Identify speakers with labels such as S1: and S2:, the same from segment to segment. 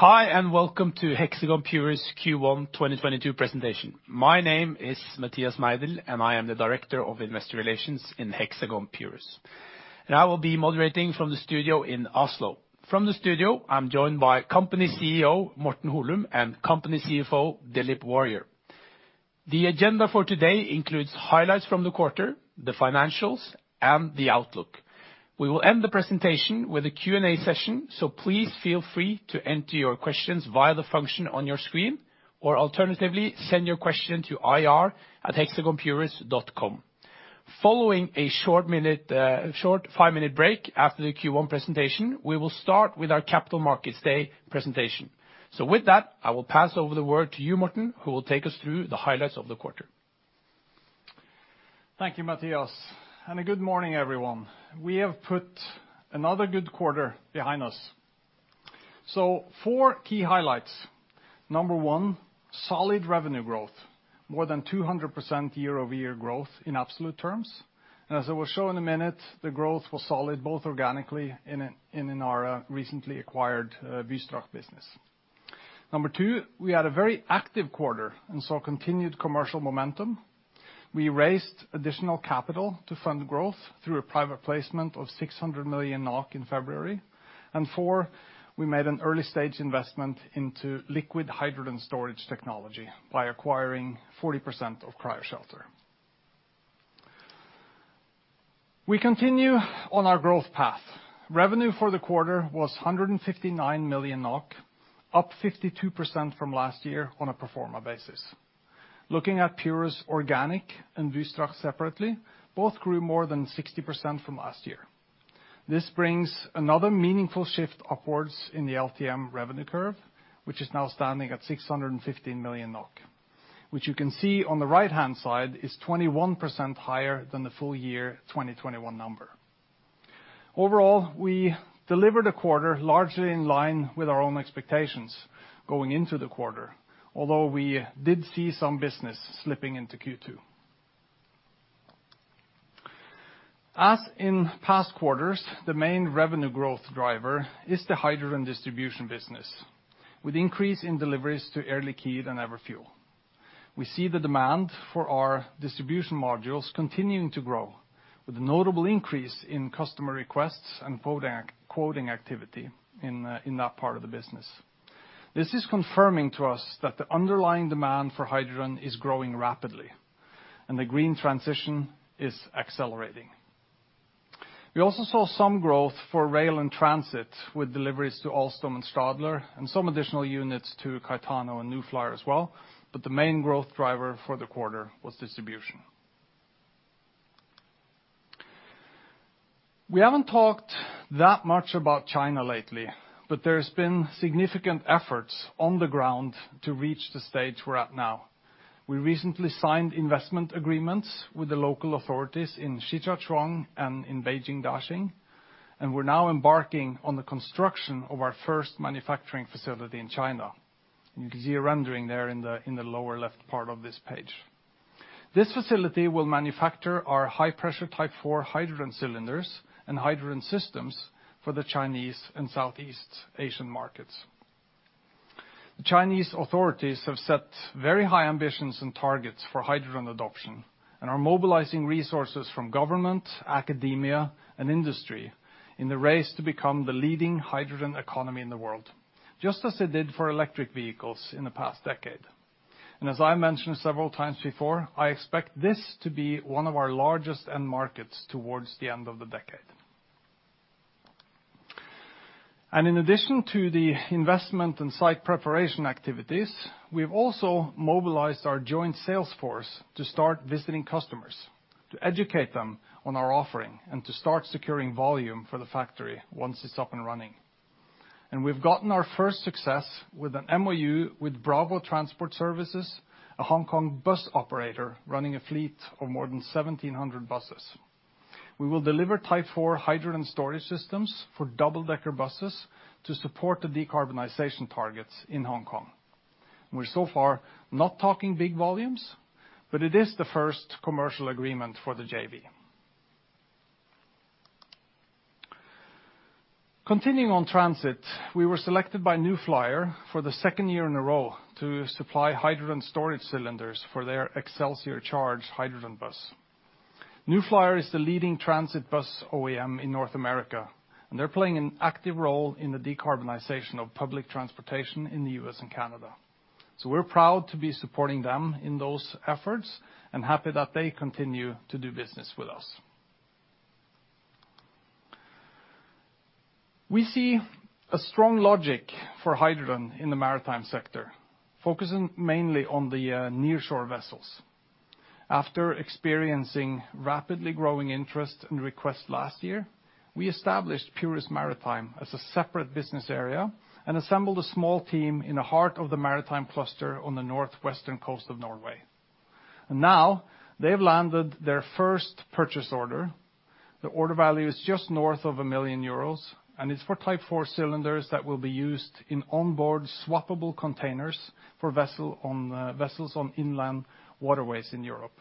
S1: Hi, and welcome to Hexagon Purus Q1 2022 presentation. My name is Mathias Meidell, and I am the Director of Investor Relations in Hexagon Purus. I will be moderating from the studio in Oslo. From the studio, I'm joined by company CEO, Morten Holum, and company CFO, Dilip Warrier. The agenda for today includes highlights from the quarter, the financials, and the outlook. We will end the presentation with a Q&A session, so please feel free to enter your questions via the function on your screen, or alternatively, send your question to ir@hexagonpurus.com. Following a short five-minute break after the Q1 presentation, we will start with our Capital Markets Day presentation. With that, I will pass over the word to you, Morten, who will take us through the highlights of the quarter.
S2: Thank you, Mathias, and a good morning, everyone. We have put another good quarter behind us. Four key highlights. Number one, solid revenue growth, more than 200% year-over-year growth in absolute terms. As I will show in a minute, the growth was solid, both organically and in our recently acquired Wystrach business. Number two, we had a very active quarter and saw continued commercial momentum. We raised additional capital to fund growth through a private placement of 600 million NOK in February. Four, we made an early-stage investment into liquid hydrogen storage technology by acquiring 40% of Cryoshelter. We continue on our growth path. Revenue for the quarter was 159 million NOK, up 52% from last year on a pro forma basis. Looking at Purus organic and Wystrach separately, both grew more than 60% from last year. This brings another meaningful shift upwards in the LTM revenue curve, which is now standing at 615 million NOK, which you can see on the right-hand side is 21% higher than the full year 2021 number. Overall, we delivered a quarter largely in line with our own expectations going into the quarter, although we did see some business slipping into Q2. As in past quarters, the main revenue growth driver is the Hydrogen Distribution business, with increase in deliveries to Air Liquide and Everfuel. We see the demand for our distribution modules continuing to grow with a notable increase in customer requests and quoting activity in that part of the business. This is confirming to us that the underlying demand for hydrogen is growing rapidly, and the green transition is accelerating. We also saw some growth for Rail and Transit with deliveries to Alstom and Stadler, and some additional units to CaetanoBus and New Flyer as well, but the main growth driver for the quarter was distribution. We haven't talked that much about China lately, but there's been significant efforts on the ground to reach the stage we're at now. We recently signed investment agreements with the local authorities in Shijiazhuang and in Beijing Daxing, and we're now embarking on the construction of our first manufacturing facility in China. You can see a rendering there in the lower left part of this page. This facility will manufacture our high-pressure Type 4 hydrogen cylinders and hydrogen systems for the Chinese and Southeast Asian markets. The Chinese authorities have set very high ambitions and targets for hydrogen adoption and are mobilizing resources from government, academia, and industry in the race to become the leading hydrogen economy in the world, just as they did for electric vehicles in the past decade. As I mentioned several times before, I expect this to be one of our largest end markets towards the end of the decade. In addition to the investment and site preparation activities, we've also mobilized our joint sales force to start visiting customers, to educate them on our offering, and to start securing volume for the factory once it's up and running. We've gotten our first success with an MoU with Bravo Transport Services, a Hong Kong bus operator running a fleet of more than 1,700 buses. We will deliver Type 4 hydrogen storage systems for double-decker buses to support the decarbonization targets in Hong Kong. We're so far not talking big volumes, but it is the first commercial agreement for the JV. Continuing on transit, we were selected by New Flyer for the second year in a row to supply hydrogen storage cylinders for their Xcelsior Charge hydrogen bus. New Flyer is the leading transit bus OEM in North America, and they're playing an active role in the decarbonization of public transportation in the U.S. and Canada. We're proud to be supporting them in those efforts and happy that they continue to do business with us. We see a strong logic for hydrogen in the maritime sector, focusing mainly on the nearshore vessels. After experiencing rapidly growing interest and requests last year, we established Hexagon Purus Maritime as a separate business area and assembled a small team in the heart of the maritime cluster on the northwestern coast of Norway. Now they've landed their first purchase order. The order value is just north of 1 million euros, and it's for Type 4 cylinders that will be used in onboard swappable containers for vessels on inland waterways in Europe.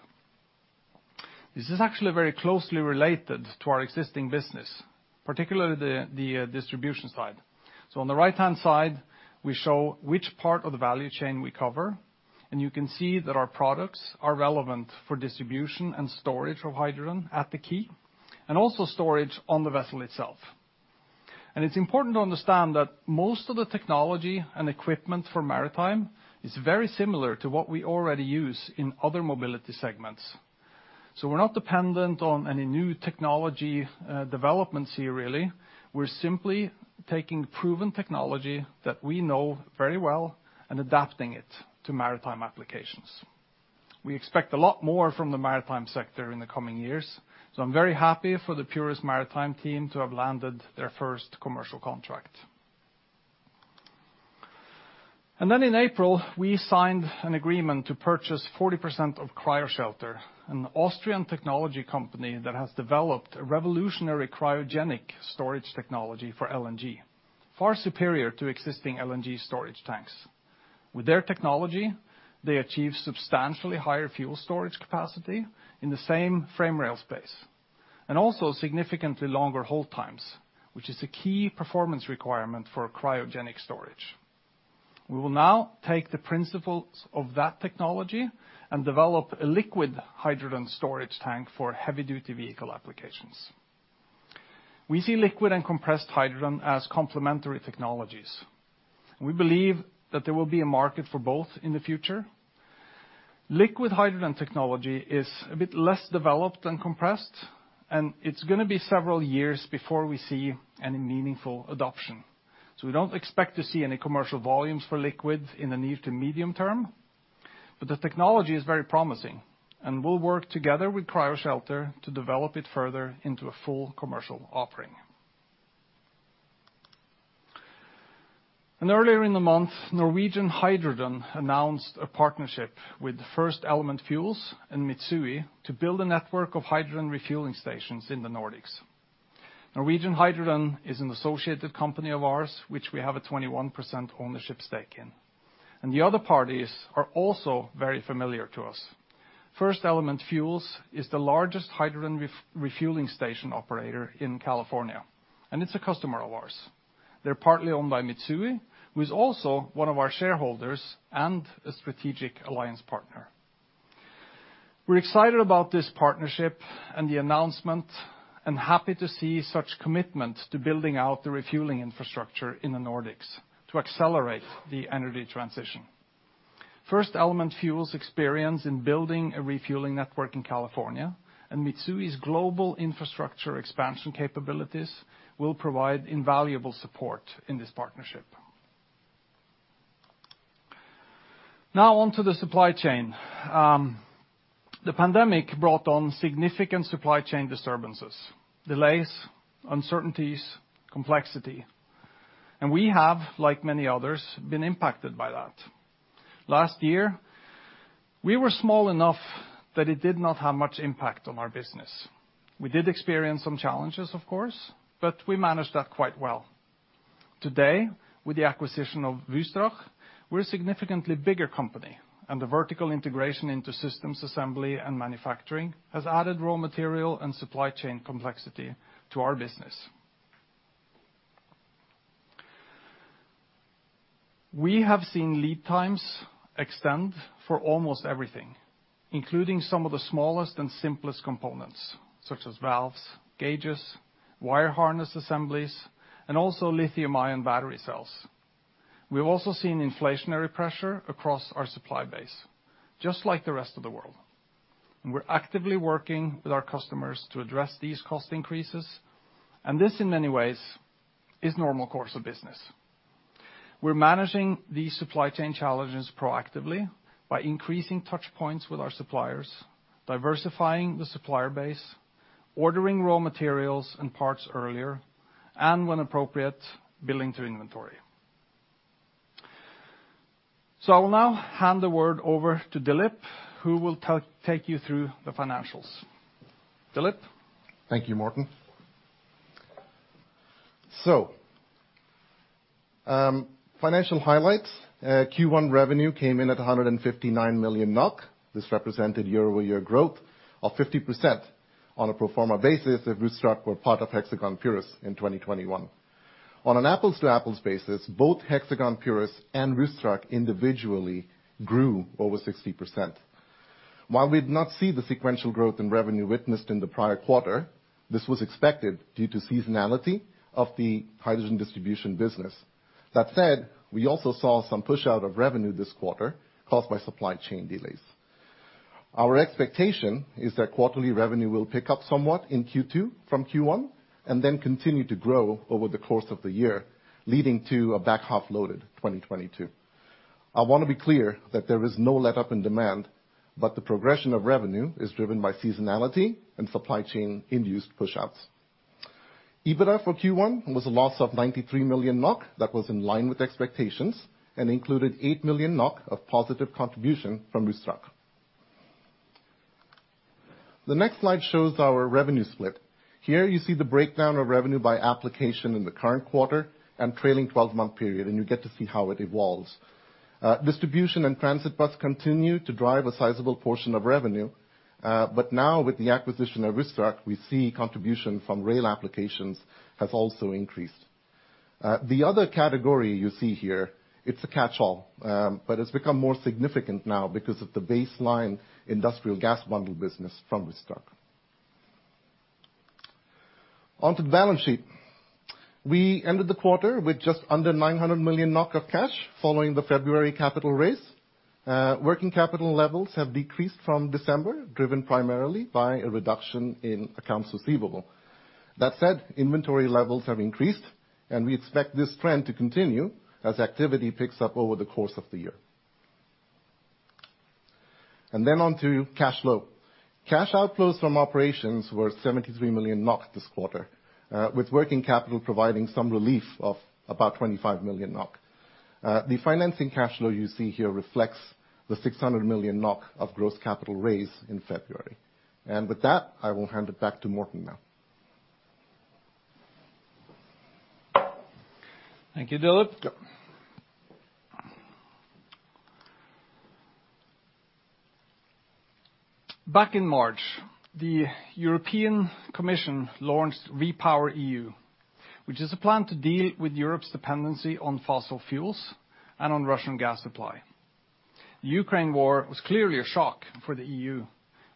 S2: This is actually very closely related to our existing business, particularly the distribution side. On the right-hand side, we show which part of the value chain we cover, and you can see that our products are relevant for distribution and storage of hydrogen at the quay, and also storage on the vessel itself. It's important to understand that most of the technology and equipment for maritime is very similar to what we already use in other mobility segments. We're not dependent on any new technology developments here really. We're simply taking proven technology that we know very well and adapting it to maritime applications. We expect a lot more from the maritime sector in the coming years, so I'm very happy for the Purus Maritime team to have landed their first commercial contract. In April, we signed an agreement to purchase 40% of Cryoshelter, an Austrian technology company that has developed a revolutionary cryogenic storage technology for LNG, far superior to existing LNG storage tanks. With their technology, they achieve substantially higher fuel storage capacity in the same frame rail space, and also significantly longer hold times, which is a key performance requirement for cryogenic storage. We will now take the principles of that technology and develop a liquid hydrogen storage tank for heavy-duty vehicle applications. We see liquid and compressed hydrogen as complementary technologies. We believe that there will be a market for both in the future. Liquid hydrogen technology is a bit less developed than compressed, and it's gonna be several years before we see any meaningful adoption. We don't expect to see any commercial volumes for liquids in the near to medium term, but the technology is very promising and will work together with Cryoshelter to develop it further into a full commercial offering. Earlier in the month, Norwegian Hydrogen announced a partnership with FirstElement Fuel and Mitsui to build a network of hydrogen refueling stations in the Nordics. Norwegian Hydrogen is an associated company of ours, which we have a 21% ownership stake in. The other parties are also very familiar to us. FirstElement Fuel is the largest hydrogen refueling station operator in California, and it's a customer of ours. They're partly owned by Mitsui, who is also one of our shareholders and a strategic alliance partner. We're excited about this partnership and the announcement, and happy to see such commitment to building out the refueling infrastructure in the Nordics to accelerate the energy transition. FirstElement Fuel's experience in building a refueling network in California and Mitsui's global infrastructure expansion capabilities will provide invaluable support in this partnership. Now on to the supply chain. The pandemic brought on significant supply chain disturbances, delays, uncertainties, complexity, and we have, like many others, been impacted by that. Last year, we were small enough that it did not have much impact on our business. We did experience some challenges, of course, but we managed that quite well. Today, with the acquisition of Wystrach, we're a significantly bigger company, and the vertical integration into systems assembly and manufacturing has added raw material and supply chain complexity to our business. We have seen lead times extend for almost everything, including some of the smallest and simplest components, such as valves, gauges, wire harness assemblies, and also lithium-ion battery cells. We've also seen inflationary pressure across our supply base, just like the rest of the world. We're actively working with our customers to address these cost increases, and this in many ways is normal course of business. We're managing these supply chain challenges proactively by increasing touch points with our suppliers, diversifying the supplier base, ordering raw materials and parts earlier, and when appropriate, building to inventory. I will now hand the word over to Dilip, who will take you through the financials. Dilip?
S3: Thank you, Morten. Financial highlights. Q1 revenue came in at 159 million NOK. This represented year-over-year growth of 50% on a pro forma basis if Wystrach were part of Hexagon Purus in 2021. On an apples-to-apples basis, both Hexagon Purus and Wystrach individually grew over 60%. While we did not see the sequential growth in revenue witnessed in the prior quarter, this was expected due to seasonality of the Hydrogen Distribution business. That said, we also saw some pushout of revenue this quarter caused by supply chain delays. Our expectation is that quarterly revenue will pick up somewhat in Q2 from Q1, and then continue to grow over the course of the year, leading to a back-half loaded 2022. I wanna be clear that there is no letup in demand, but the progression of revenue is driven by seasonality and supply chain-induced pushouts. EBITDA for Q1 was a loss of 93 million NOK that was in line with expectations and included 8 million NOK of positive contribution from Wystrach. The next slide shows our revenue split. Here you see the breakdown of revenue by application in the current quarter and trailing 12-month period, and you get to see how it evolves. Hydrogen Distribution and Transit Bus continue to drive a sizable portion of revenue, but now with the acquisition of Wystrach, we see contribution from Rail applications has also increased. The other category you see here, it's a catch-all, but it's become more significant now because of the baseline industrial gas bundle business from Wystrach. On to the balance sheet. We ended the quarter with just under 900 million NOK of cash following the February capital raise. Working capital levels have decreased from December, driven primarily by a reduction in accounts receivable. That said, inventory levels have increased, and we expect this trend to continue as activity picks up over the course of the year. On to cash flow. Cash outflows from operations were 73 million NOK this quarter, with working capital providing some relief of about 25 million NOK. The financing cash flow you see here reflects the 600 million NOK of gross capital raise in February. With that, I will hand it back to Morten now.
S2: Thank you, Dilip.
S3: Sure.
S2: Back in March, the European Commission launched REPowerEU, which is a plan to deal with Europe's dependency on fossil fuels and on Russian gas supply. The Ukraine war was clearly a shock for the EU,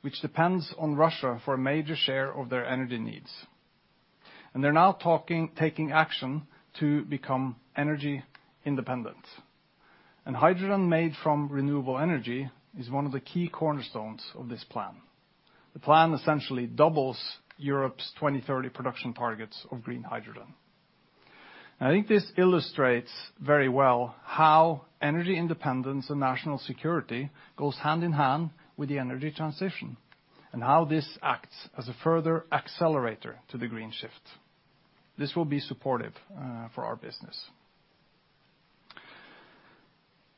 S2: which depends on Russia for a major share of their energy needs, and they're now taking action to become energy independent. Hydrogen made from renewable energy is one of the key cornerstones of this plan. The plan essentially doubles Europe's 2030 production targets of green hydrogen. I think this illustrates very well how energy independence and national security goes hand-in-hand with the energy transition and how this acts as a further accelerator to the green shift. This will be supportive for our business.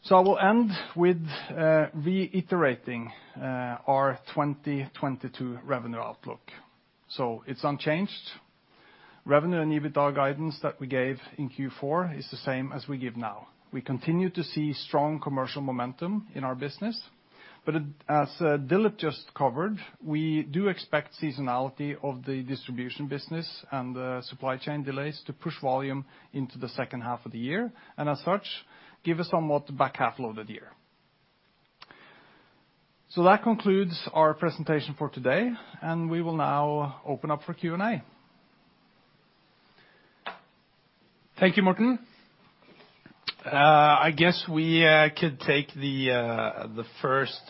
S2: I will end with reiterating our 2022 revenue outlook. It's unchanged. Revenue and EBITDA guidance that we gave in Q4 is the same as we give now. We continue to see strong commercial momentum in our business, but as Dilip just covered, we do expect seasonality of the distribution business and the supply chain delays to push volume into the second half of the year and as such give a somewhat back-half loaded year. That concludes our presentation for today, and we will now open up for Q&A.
S1: Thank you, Morten. I guess we could take the first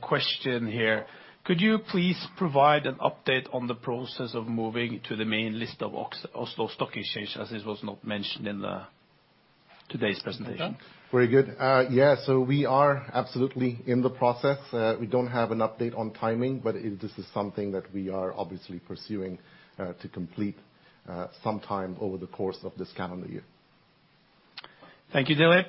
S1: question here. Could you please provide an update on the process of moving to the main list of Oslo Stock Exchange, as it was not mentioned in today's presentation?
S3: Very good. We are absolutely in the process. We don't have an update on timing, but this is something that we are obviously pursuing to complete sometime over the course of this calendar year.
S1: Thank you, Dilip.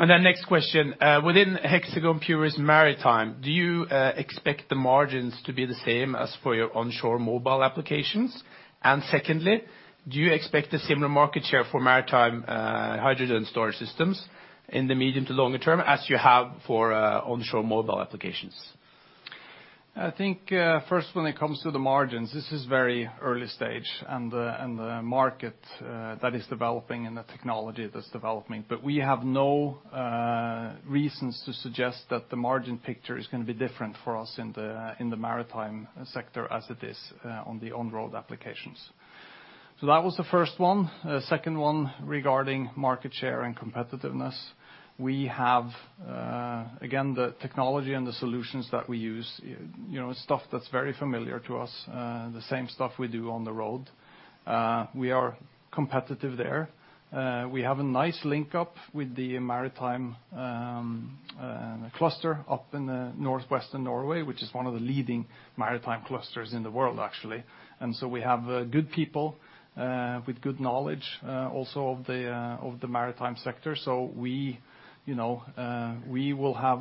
S1: Next question. Within Hexagon Purus Maritime, do you expect the margins to be the same as for your onshore mobile applications? Secondly, do you expect a similar market share for maritime hydrogen storage systems in the medium to longer term as you have for onshore mobile applications?
S2: I think first when it comes to the margins, this is very early stage, and the market that is developing and the technology that's developing. We have no reasons to suggest that the margin picture is gonna be different for us in the maritime sector as it is on the on-road applications. That was the first one. Second one regarding market share and competitiveness. We have again the technology and the solutions that we use, you know, stuff that's very familiar to us, the same stuff we do on the road. We are competitive there. We have a nice linkup with the maritime cluster up in the northwestern Norway, which is one of the leading maritime clusters in the world actually. We have good people with good knowledge also of the maritime sector. We, you know, we will have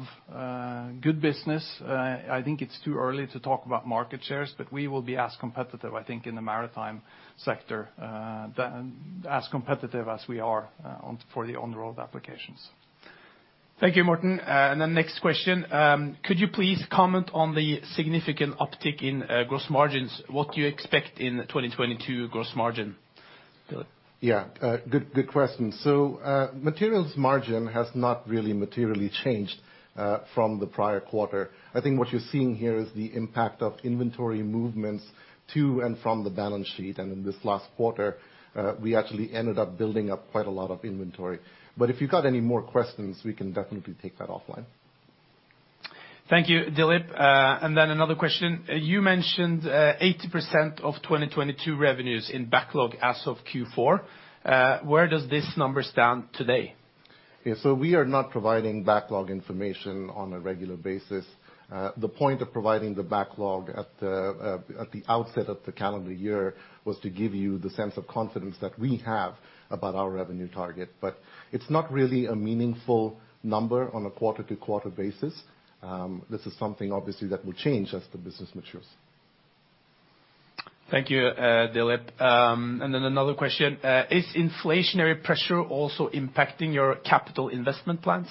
S2: good business. I think it's too early to talk about market shares, but we will be as competitive, I think, in the maritime sector than as competitive as we are on the on-road applications.
S1: Thank you, Morten. Could you please comment on the significant uptick in gross margins? What do you expect in 2022 gross margin?
S2: Dilip?
S3: Yeah. Good question. Materials margin has not really materially changed from the prior quarter. I think what you're seeing here is the impact of inventory movements to and from the balance sheet. In this last quarter, we actually ended up building up quite a lot of inventory. If you've got any more questions, we can definitely take that offline.
S1: Thank you, Dilip. Another question. You mentioned 80% of 2022 revenues in backlog as of Q4. Where does this number stand today?
S3: We are not providing backlog information on a regular basis. The point of providing the backlog at the outset of the calendar year was to give you the sense of confidence that we have about our revenue target. It's not really a meaningful number on a quarter-to-quarter basis. This is something obviously that will change as the business matures.
S1: Thank you, Dilip. Another question. Is inflationary pressure also impacting your capital investment plans?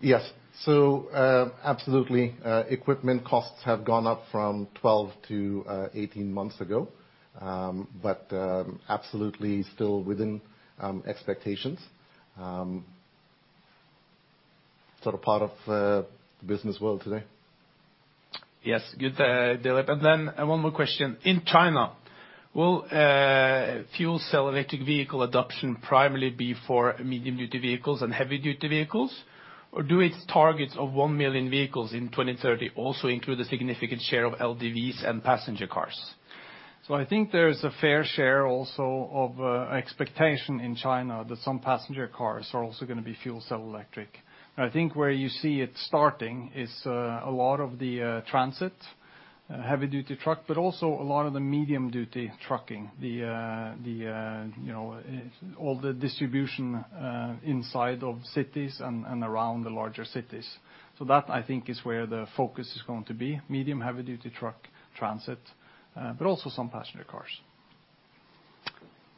S3: Yes. Absolutely, equipment costs have gone up from 12 to 18 months ago. Absolutely still within expectations. Sort of part of the business world today.
S1: Yes. Good, Dilip. One more question. In China, will fuel cell electric vehicle adoption primarily be for medium-duty vehicles and heavy-duty vehicles, or do its targets of 1 million vehicles in 2030 also include a significant share of LDVs and passenger cars?
S2: I think there's a fair share also of expectation in China that some passenger cars are also gonna be fuel cell electric. I think where you see it starting is a lot of the transit heavy-duty truck, but also a lot of the medium-duty trucking. You know, all the distribution inside of cities and around the larger cities. That, I think, is where the focus is going to be, medium-duty and heavy-duty truck transit, but also some passenger cars.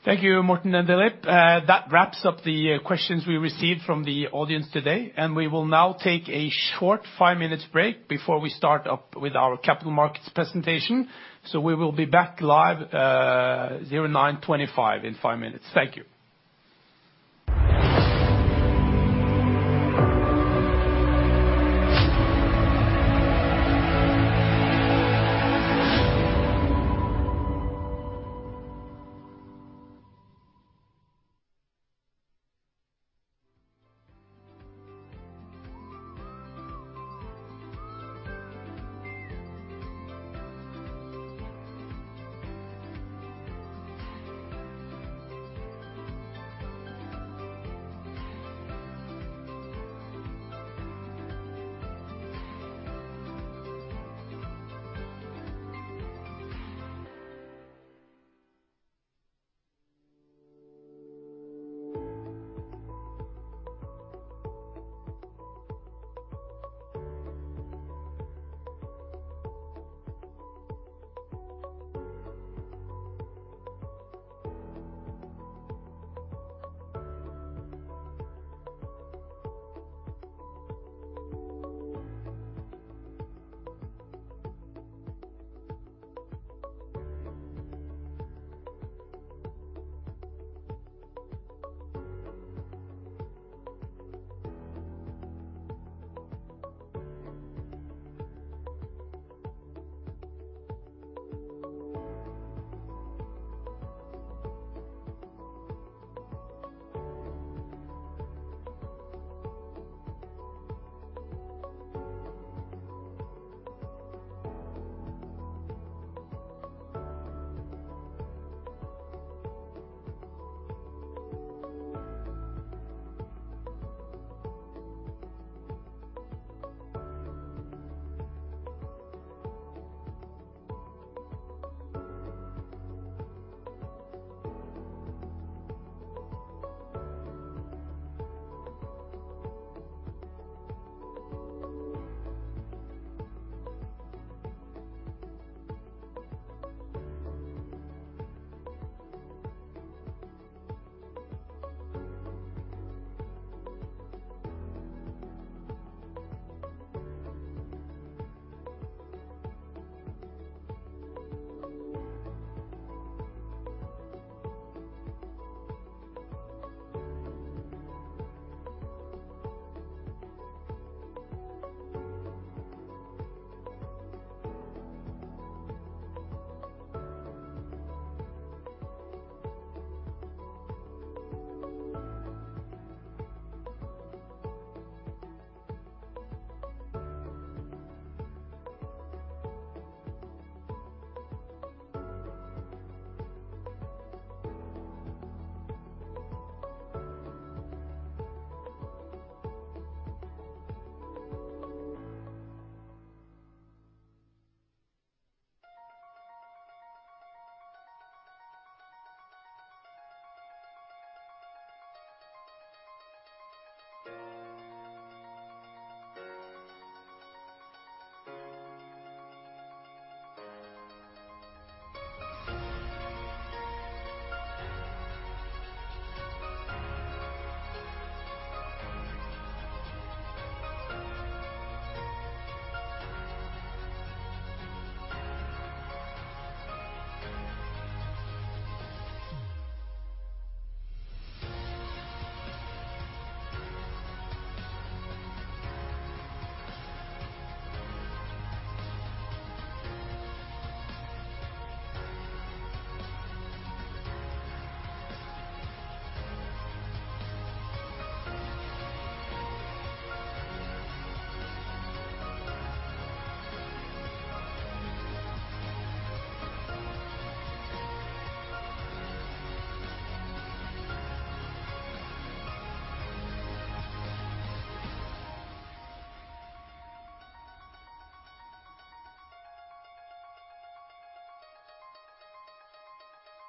S1: Thank you, Morten and Dilip. That wraps up the questions we received from the audience today, and we will now take a short five-minute break before we start up with our Capital Markets presentation. We will be back live, 9:25 A.M., in five minutes.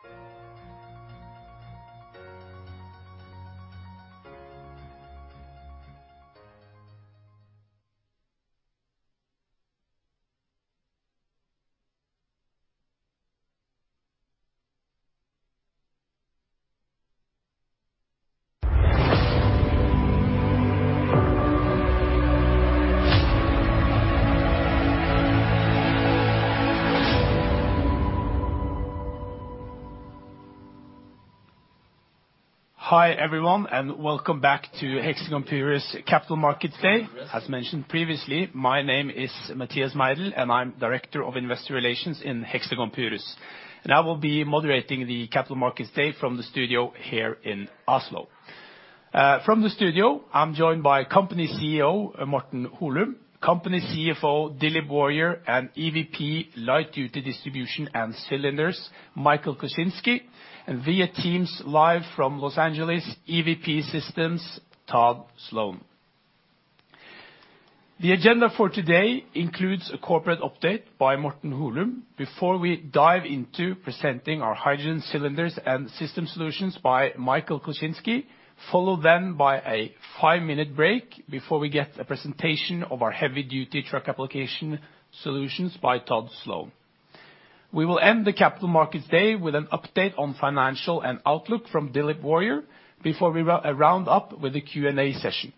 S1: Thank you. Hi, everyone, and welcome back to Hexagon Purus' Capital Markets Day. As mentioned previously, my name is Mathias Meidell, and I'm Director of Investor Relations in Hexagon Purus. I will be moderating the Capital Markets Day from the studio here in Oslo. From the studio, I'm joined by company CEO, Morten Holum, company CFO, Dilip Warrier, and EVP Light Duty Distribution and Cylinders, Michael Kleschinski, and via Teams live from Los Angeles, EVP Systems, Todd Sloan. The agenda for today includes a corporate update by Morten Holum before we dive into presenting our hydrogen cylinders and system solutions by Michael Kleschinski, followed then by a five-minute break before we get a presentation of our heavy-duty truck application solutions by Todd Sloan. We will end the Capital Markets Day with an update on financial and outlook from Dilip Warrier before we wrap up with a Q&A session.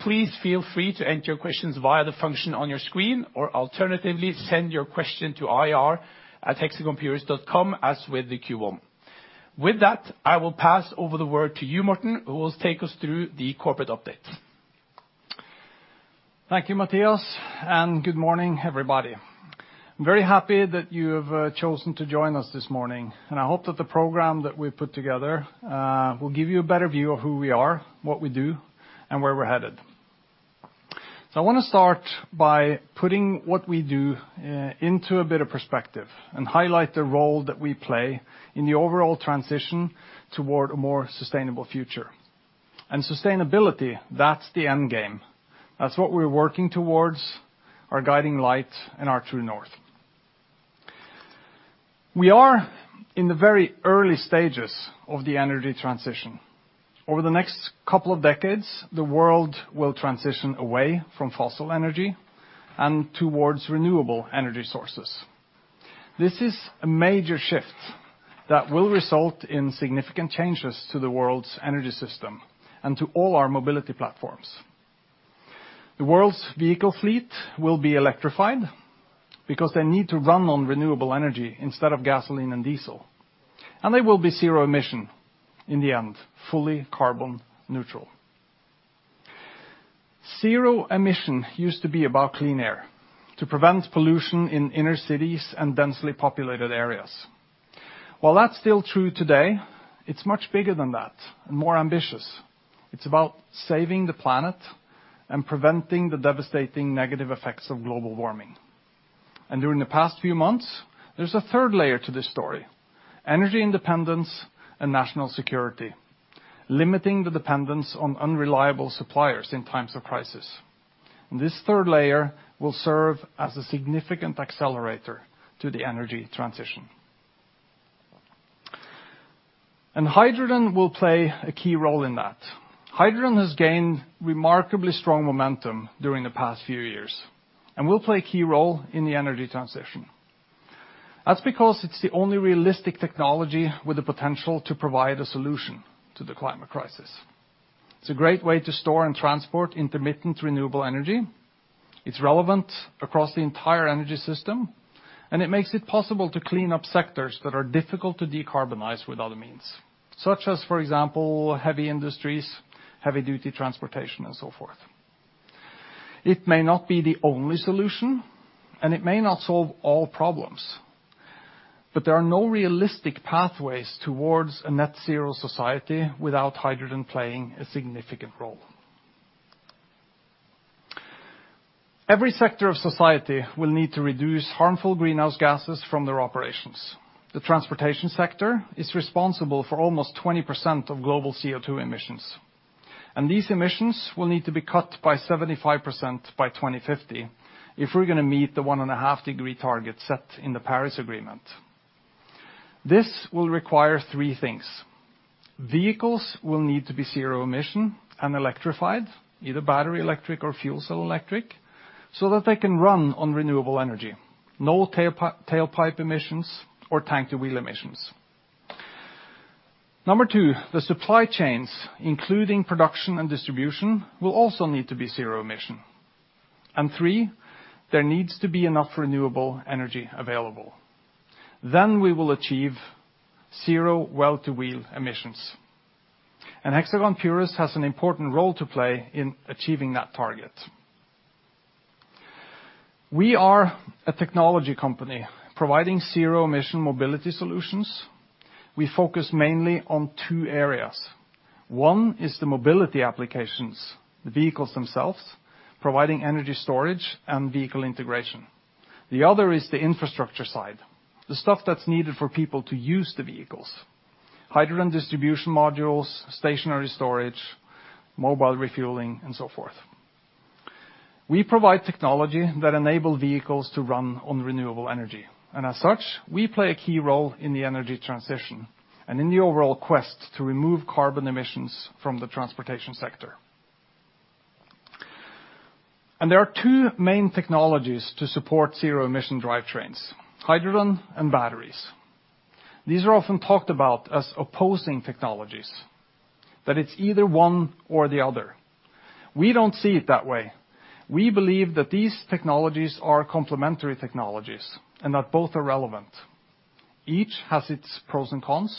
S1: Please feel free to enter your questions via the function on your screen, or alternatively, send your question to ir@hexagonpurus.com, as with the Q1. With that, I will pass the word to you, Morten, who will take us through the corporate update.
S2: Thank you, Mathias, and good morning, everybody. I'm very happy that you have chosen to join us this morning, and I hope that the program that we put together will give you a better view of who we are, what we do, and where we're headed. I wanna start by putting what we do into a bit of perspective and highlight the role that we play in the overall transition toward a more sustainable future. Sustainability, that's the end game. That's what we're working towards, our guiding light, and our true north. We are in the very early stages of the energy transition. Over the next couple of decades, the world will transition away from fossil energy and towards renewable energy sources. This is a major shift that will result in significant changes to the world's energy system and to all our mobility platforms. The world's vehicle fleet will be electrified because they need to run on renewable energy instead of gasoline and diesel, and they will be zero-emission in the end, fully carbon neutral. Zero-emission used to be about clean air, to prevent pollution in inner cities and densely populated areas. While that's still true today, it's much bigger than that and more ambitious. It's about saving the planet and preventing the devastating negative effects of global warming. During the past few months, there's a third layer to this story, energy independence and national security, limiting the dependence on unreliable suppliers in times of crisis. This third layer will serve as a significant accelerator to the energy transition. Hydrogen will play a key role in that. Hydrogen has gained remarkably strong momentum during the past few years and will play a key role in the energy transition. That's because it's the only realistic technology with the potential to provide a solution to the climate crisis. It's a great way to store and transport intermittent renewable energy, it's relevant across the entire energy system, and it makes it possible to clean up sectors that are difficult to decarbonize with other means, such as, for example, heavy industries, heavy-duty transportation, and so forth. It may not be the only solution, and it may not solve all problems, but there are no realistic pathways towards a net zero society without hydrogen playing a significant role. Every sector of society will need to reduce harmful greenhouse gases from their operations. The transportation sector is responsible for almost 20% of global CO2 emissions, and these emissions will need to be cut by 75% by 2050 if we're gonna meet the 1.5°C target set in the Paris Agreement. This will require three things. Vehicles will need to be zero-emission and electrified, either battery electric or fuel cell electric, so that they can run on renewable energy. No tailpipe emissions or tank-to-wheel emissions. Number two, the supply chains, including production and distribution, will also need to be zero-emission. Three, there needs to be enough renewable energy available. We will achieve zero well-to-wheel emissions. Hexagon Purus has an important role to play in achieving that target. We are a technology company providing zero-emission mobility solutions. We focus mainly on two areas. One is the mobility applications, the vehicles themselves, providing energy storage and vehicle integration. The other is the infrastructure side, the stuff that's needed for people to use the vehicles, hydrogen distribution modules, stationary storage, mobile refueling, and so forth. We provide technology that enable vehicles to run on renewable energy, and as such, we play a key role in the energy transition and in the overall quest to remove carbon emissions from the transportation sector. There are two main technologies to support zero-emission drivetrains, hydrogen and batteries. These are often talked about as opposing technologies, that it's either one or the other. We don't see it that way. We believe that these technologies are complementary technologies and that both are relevant. Each has its pros and cons,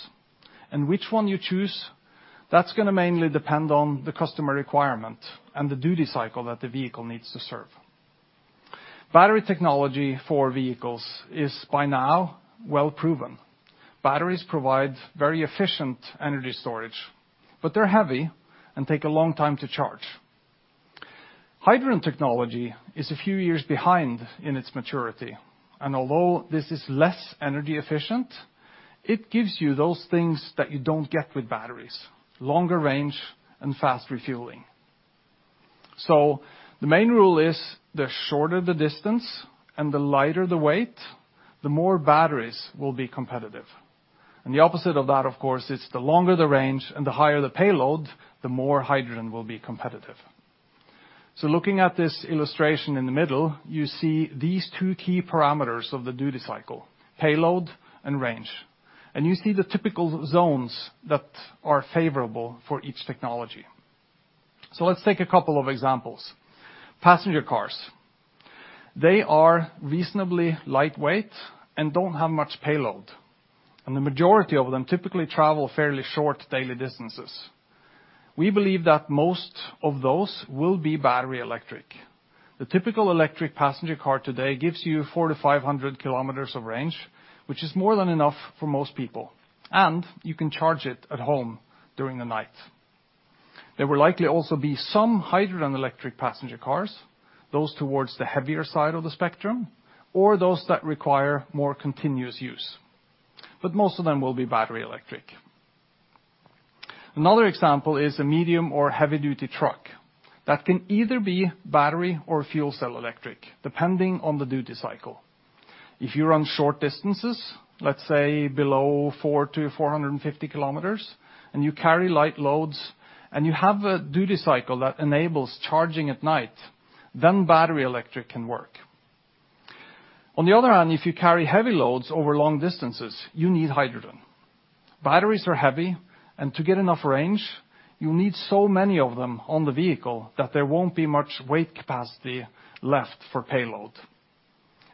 S2: and which one you choose, that's gonna mainly depend on the customer requirement and the duty cycle that the vehicle needs to serve. Battery technology for vehicles is by now well proven. Batteries provide very efficient energy storage, but they're heavy and take a long time to charge. Hydrogen technology is a few years behind in its maturity, and although this is less energy efficient, it gives you those things that you don't get with batteries, longer range and fast refueling. So the main rule is the shorter the distance and the lighter the weight, the more batteries will be competitive. The opposite of that, of course, is the longer the range and the higher the payload, the more hydrogen will be competitive. Looking at this illustration in the middle, you see these two key parameters of the duty cycle, payload and range, and you see the typical zones that are favorable for each technology. Let's take a couple of examples. Passenger cars, they are reasonably lightweight and don't have much payload, and the majority of them typically travel fairly short daily distances. We believe that most of those will be battery electric. The typical electric passenger car today gives you 400 km-500 km of range, which is more than enough for most people, and you can charge it at home during the night. There will likely also be some hydrogen electric passenger cars, those towards the heavier side of the spectrum or those that require more continuous use, but most of them will be battery electric. Another example is a medium or heavy-duty truck. That can either be battery or fuel cell electric, depending on the duty cycle. If you run short distances, let's say below 400 km-450 km, and you carry light loads, and you have a duty cycle that enables charging at night, then battery electric can work. On the other hand, if you carry heavy loads over long distances, you need hydrogen. Batteries are heavy, and to get enough range, you need so many of them on the vehicle that there won't be much weight capacity left for payload,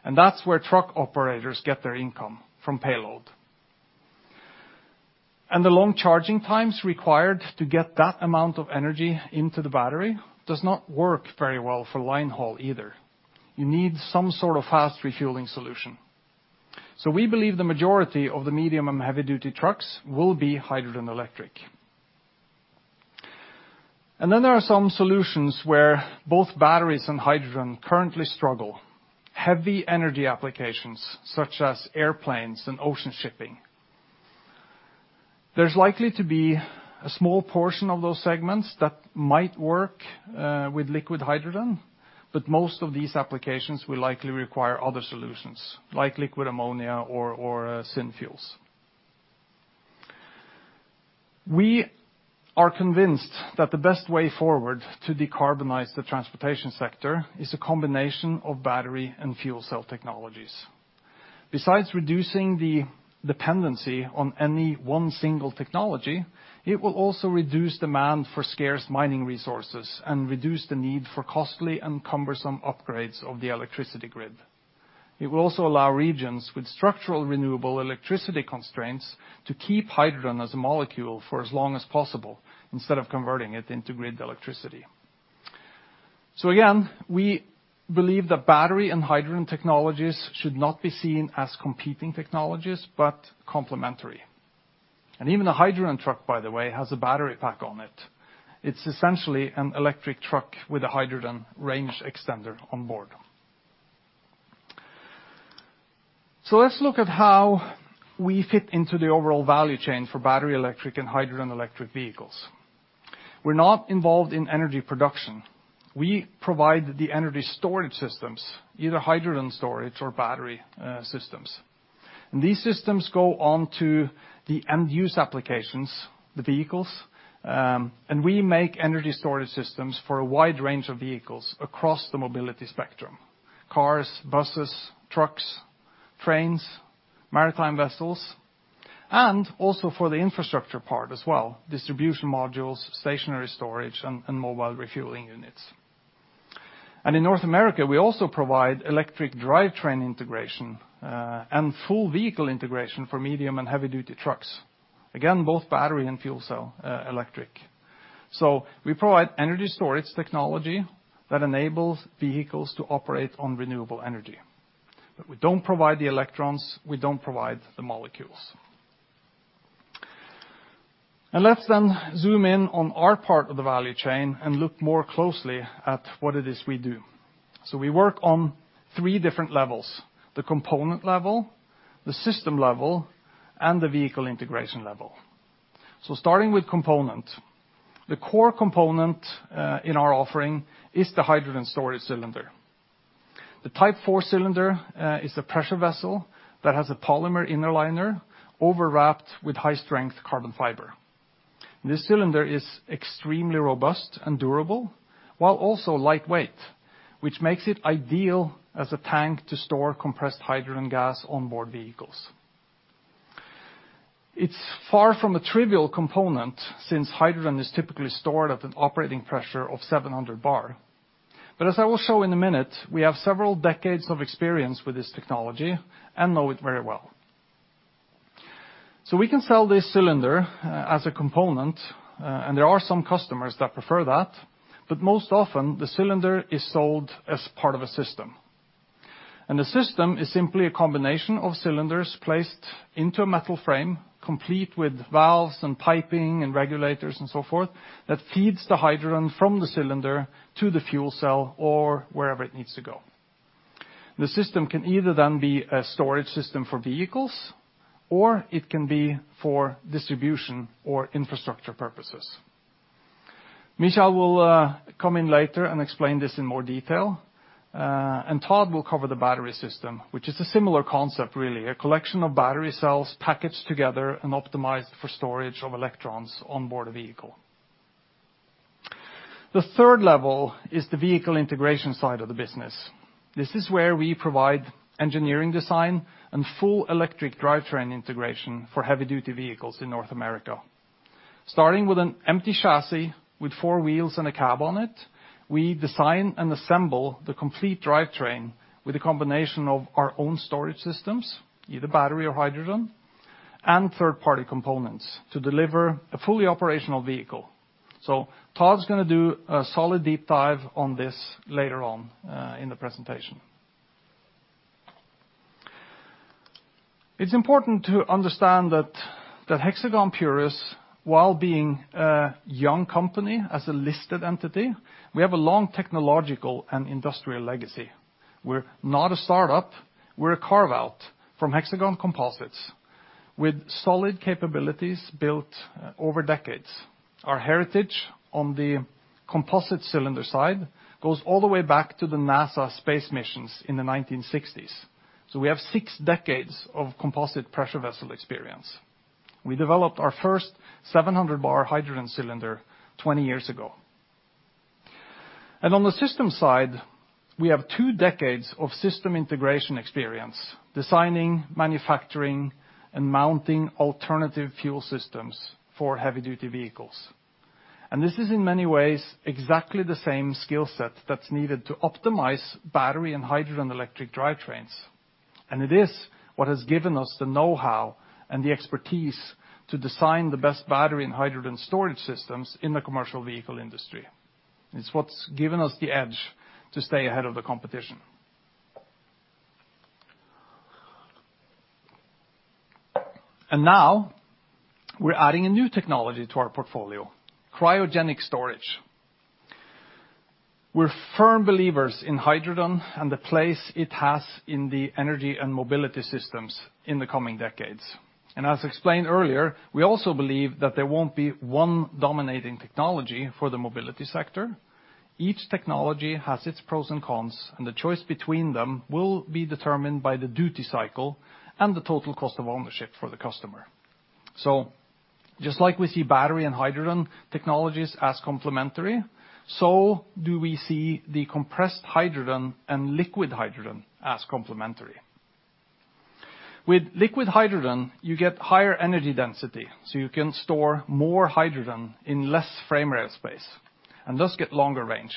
S2: and that's where truck operators get their income, from payload. The long charging times required to get that amount of energy into the battery does not work very well for line haul either. You need some sort of fast refueling solution. We believe the majority of the medium and heavy-duty trucks will be hydrogen electric. There are some solutions where both batteries and hydrogen currently struggle. Heavy energy applications, such as airplanes and ocean shipping. There's likely to be a small portion of those segments that might work with liquid hydrogen, but most of these applications will likely require other solutions, like liquid ammonia or synthetic fuels. We are convinced that the best way forward to decarbonize the transportation sector is a combination of battery and fuel cell technologies. Besides reducing the dependency on any one single technology, it will also reduce demand for scarce mining resources and reduce the need for costly and cumbersome upgrades of the electricity grid. It will also allow regions with structural renewable electricity constraints to keep hydrogen as a molecule for as long as possible instead of converting it into grid electricity. Again, we believe that battery and hydrogen technologies should not be seen as competing technologies, but complementary. Even a hydrogen truck, by the way, has a battery pack on it. It's essentially an electric truck with a hydrogen range extender on board. Let's look at how we fit into the overall value chain for battery electric and hydrogen electric vehicles. We're not involved in energy production. We provide the energy storage systems, either hydrogen storage or battery, systems. These systems go on to the end use applications, the vehicles, and we make energy storage systems for a wide range of vehicles across the mobility spectrum, cars, buses, trucks, trains, maritime vessels, and also for the infrastructure part as well, distribution modules, stationary storage, and mobile refueling units. In North America, we also provide electric drivetrain integration, and full vehicle integration for medium and heavy-duty trucks, again, both battery and fuel cell electric. We provide energy storage technology that enables vehicles to operate on renewable energy. We don't provide the electrons, we don't provide the molecules. Let's then zoom in on our part of the value chain and look more closely at what it is we do. We work on three different levels, the component level, the system level, and the vehicle integration level. Starting with component, the core component in our offering is the hydrogen storage cylinder. The Type 4 cylinder is a pressure vessel that has a polymer inner liner overwrapped with high-strength carbon fiber. This cylinder is extremely robust and durable, while also lightweight, which makes it ideal as a tank to store compressed hydrogen gas on board vehicles. It's far from a trivial component since hydrogen is typically stored at an operating pressure of 700 bar. As I will show in a minute, we have several decades of experience with this technology and know it very well. We can sell this cylinder as a component, and there are some customers that prefer that, but most often, the cylinder is sold as part of a system. The system is simply a combination of cylinders placed into a metal frame, complete with valves and piping and regulators and so forth, that feeds the hydrogen from the cylinder to the fuel cell or wherever it needs to go. The system can either then be a storage system for vehicles, or it can be for distribution or infrastructure purposes. Michael will come in later and explain this in more detail, and Todd will cover the battery system, which is a similar concept really, a collection of battery cells packaged together and optimized for storage of electrons on board a vehicle. The third level is the vehicle integration side of the business. This is where we provide engineering design and full electric drivetrain integration for heavy-duty vehicles in North America. Starting with an empty chassis with four wheels and a cab on it, we design and assemble the complete drivetrain with a combination of our own storage systems, either battery or hydrogen, and third-party components to deliver a fully operational vehicle. Todd's gonna do a solid deep dive on this later on in the presentation. It's important to understand that Hexagon Purus, while being a young company as a listed entity, we have a long technological and industrial legacy. We're not a startup, we're a carve-out from Hexagon Composites with solid capabilities built over decades. Our heritage on the composite cylinder side goes all the way back to the NASA space missions in the 1960s. We have six decades of composite pressure vessel experience. We developed our first 700 bar hydrogen cylinder 20 years ago. On the system side, we have two decades of system integration experience, designing, manufacturing, and mounting alternative fuel systems for heavy-duty vehicles. This is in many ways, exactly the same skill set that's needed to optimize battery and hydrogen electric drivetrains. It is what has given us the know-how and the expertise to design the best battery and hydrogen storage systems in the commercial vehicle industry. It's what's given us the edge to stay ahead of the competition. Now we're adding a new technology to our portfolio, cryogenic storage. We're firm believers in hydrogen and the place it has in the energy and mobility systems in the coming decades. As explained earlier, we also believe that there won't be one dominating technology for the mobility sector. Each technology has its pros and cons, and the choice between them will be determined by the duty cycle and the total cost of ownership for the customer. Just like we see battery and hydrogen technologies as complementary, so do we see the compressed hydrogen and liquid hydrogen as complementary. With liquid hydrogen, you get higher energy density, so you can store more hydrogen in less frame rail space and thus get longer range.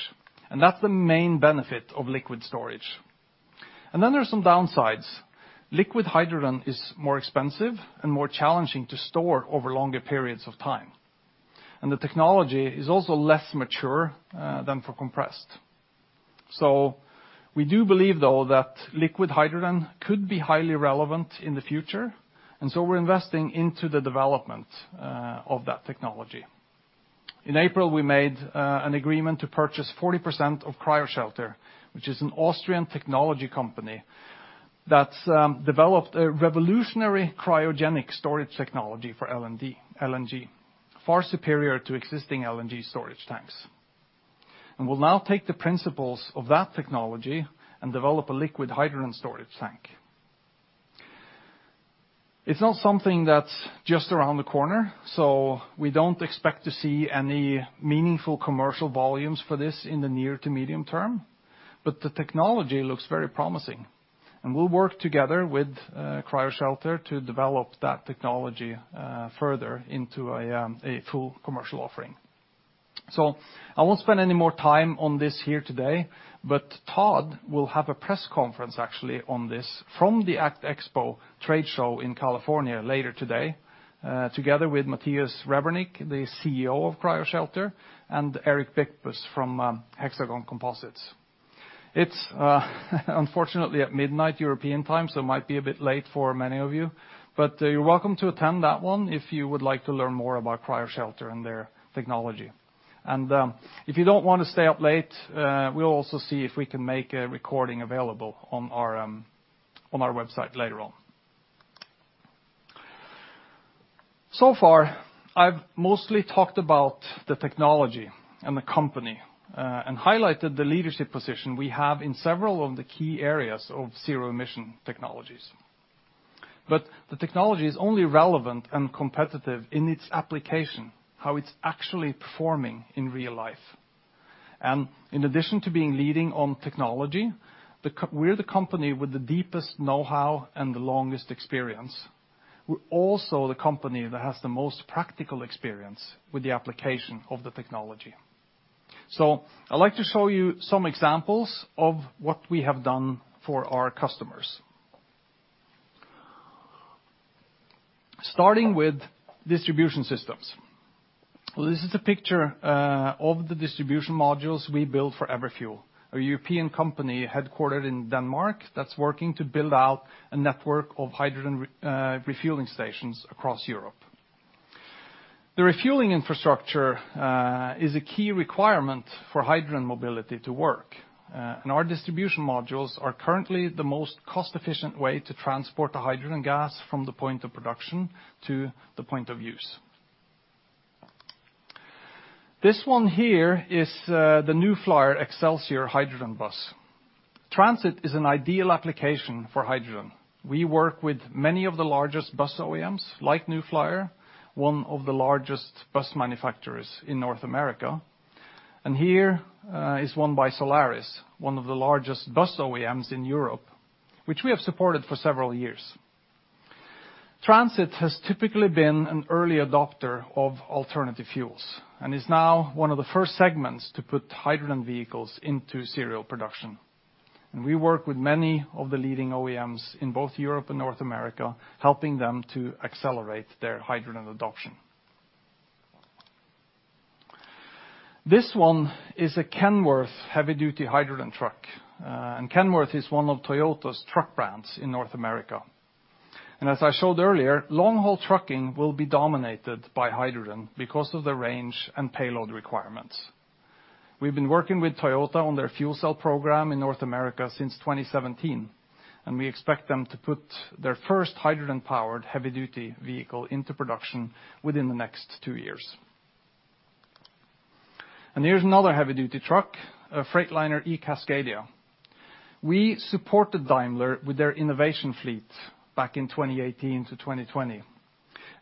S2: That's the main benefit of liquid storage. There are some downsides. Liquid hydrogen is more expensive and more challenging to store over longer periods of time. The technology is also less mature than for compressed. We do believe, though, that liquid hydrogen could be highly relevant in the future, and so we're investing into the development of that technology. In April, we made an agreement to purchase 40% of Cryoshelter, which is an Austrian technology company that's developed a revolutionary cryogenic storage technology for LNG, far superior to existing LNG storage tanks. We'll now take the principles of that technology and develop a liquid hydrogen storage tank. It's not something that's just around the corner, so we don't expect to see any meaningful commercial volumes for this in the near to medium term, but the technology looks very promising. We'll work together with Cryoshelter to develop that technology further into a full commercial offering. I won't spend any more time on this here today, but Todd will have a press conference actually on this from the ACT Expo trade show in California later today together with Matthias Rebernik, the CEO of Cryoshelter, and Jon Erik Engeset from Hexagon Composites. It's unfortunately at midnight European time, so it might be a bit late for many of you, but you're welcome to attend that one if you would like to learn more about Cryoshelter and their technology. If you don't wanna stay up late, we'll also see if we can make a recording available on our website later on. So far, I've mostly talked about the technology and the company, and highlighted the leadership position we have in several of the key areas of zero-emission technologies. The technology is only relevant and competitive in its application, how it's actually performing in real life. In addition to being leading on technology, we're the company with the deepest know-how and the longest experience. We're also the company that has the most practical experience with the application of the technology. I'd like to show you some examples of what we have done for our customers. Starting with distribution systems. Well, this is the picture of the distribution modules we built for Everfuel, a European company headquartered in Denmark that's working to build out a network of hydrogen refueling stations across Europe. The refueling infrastructure is a key requirement for hydrogen mobility to work, and our distribution modules are currently the most cost-efficient way to transport the hydrogen gas from the point of production to the point of use. This one here is the New Flyer Xcelsior hydrogen bus. Transit is an ideal application for hydrogen. We work with many of the largest bus OEMs, like New Flyer, one of the largest bus manufacturers in North America. Here is one by Solaris, one of the largest bus OEMs in Europe, which we have supported for several years. Transit has typically been an early adopter of alternative fuels and is now one of the first segments to put hydrogen vehicles into serial production. We work with many of the leading OEMs in both Europe and North America, helping them to accelerate their hydrogen adoption. This one is a Kenworth heavy-duty hydrogen truck. Kenworth is one of Toyota's truck brands in North America. As I showed earlier, long-haul trucking will be dominated by hydrogen because of the range and payload requirements. We've been working with Toyota on their fuel cell program in North America since 2017, and we expect them to put their first hydrogen-powered heavy-duty vehicle into production within the next two years. Here's another heavy-duty truck, a Freightliner eCascadia. We supported Daimler with their innovation fleet back in 2018 to 2020.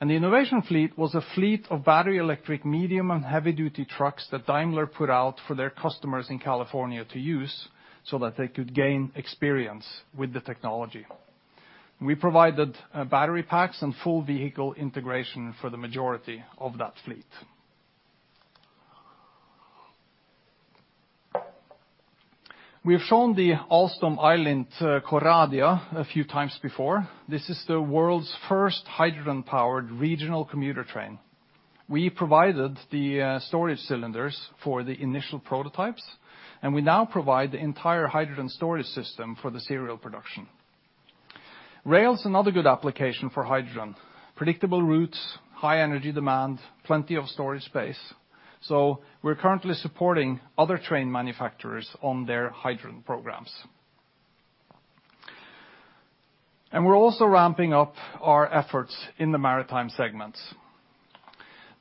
S2: The innovation fleet was a fleet of battery electric medium and heavy-duty trucks that Daimler put out for their customers in California to use, so that they could gain experience with the technology. We provided battery packs and full vehicle integration for the majority of that fleet. We have shown the Alstom Coradia iLint a few times before. This is the world's first hydrogen-powered regional commuter train. We provided the storage cylinders for the initial prototypes, and we now provide the entire hydrogen storage system for the serial production. Rail is another good application for hydrogen. Predictable routes, high energy demand, plenty of storage space. We're currently supporting other train manufacturers on their hydrogen programs. We're also ramping up our efforts in the maritime segments.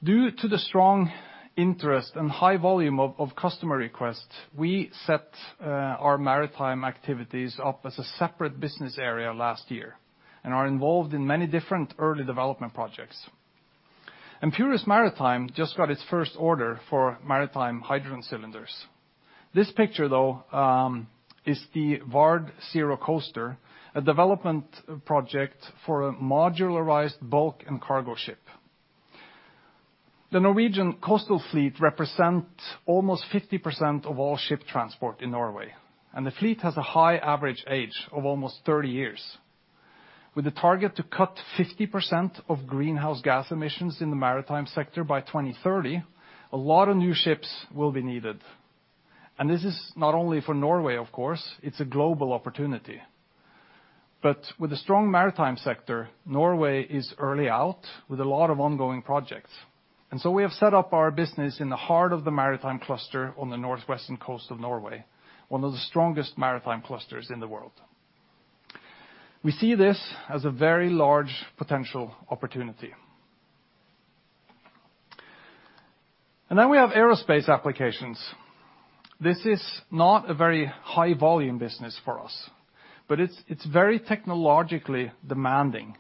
S2: Due to the strong interest and high volume of customer requests, we set our maritime activities up as a separate business area last year and are involved in many different early development projects. Hexagon Purus Maritime just got its first order for maritime hydrogen cylinders. This picture, though, is the VARD's ZeroCoaster, a development project for a modularized bulk and cargo ship. The Norwegian coastal fleet represent almost 50% of all ship transport in Norway, and the fleet has a high average age of almost 30 years. With the target to cut 50% of greenhouse gas emissions in the maritime sector by 2030, a lot of new ships will be needed. This is not only for Norway, of course, it's a global opportunity. With a strong maritime sector, Norway is early out with a lot of ongoing projects. We have set up our business in the heart of the maritime cluster on the northwestern coast of Norway, one of the strongest maritime clusters in the world. We see this as a very large potential opportunity. We have aerospace applications. This is not a very high volume business for us, but it's very technologically demanding.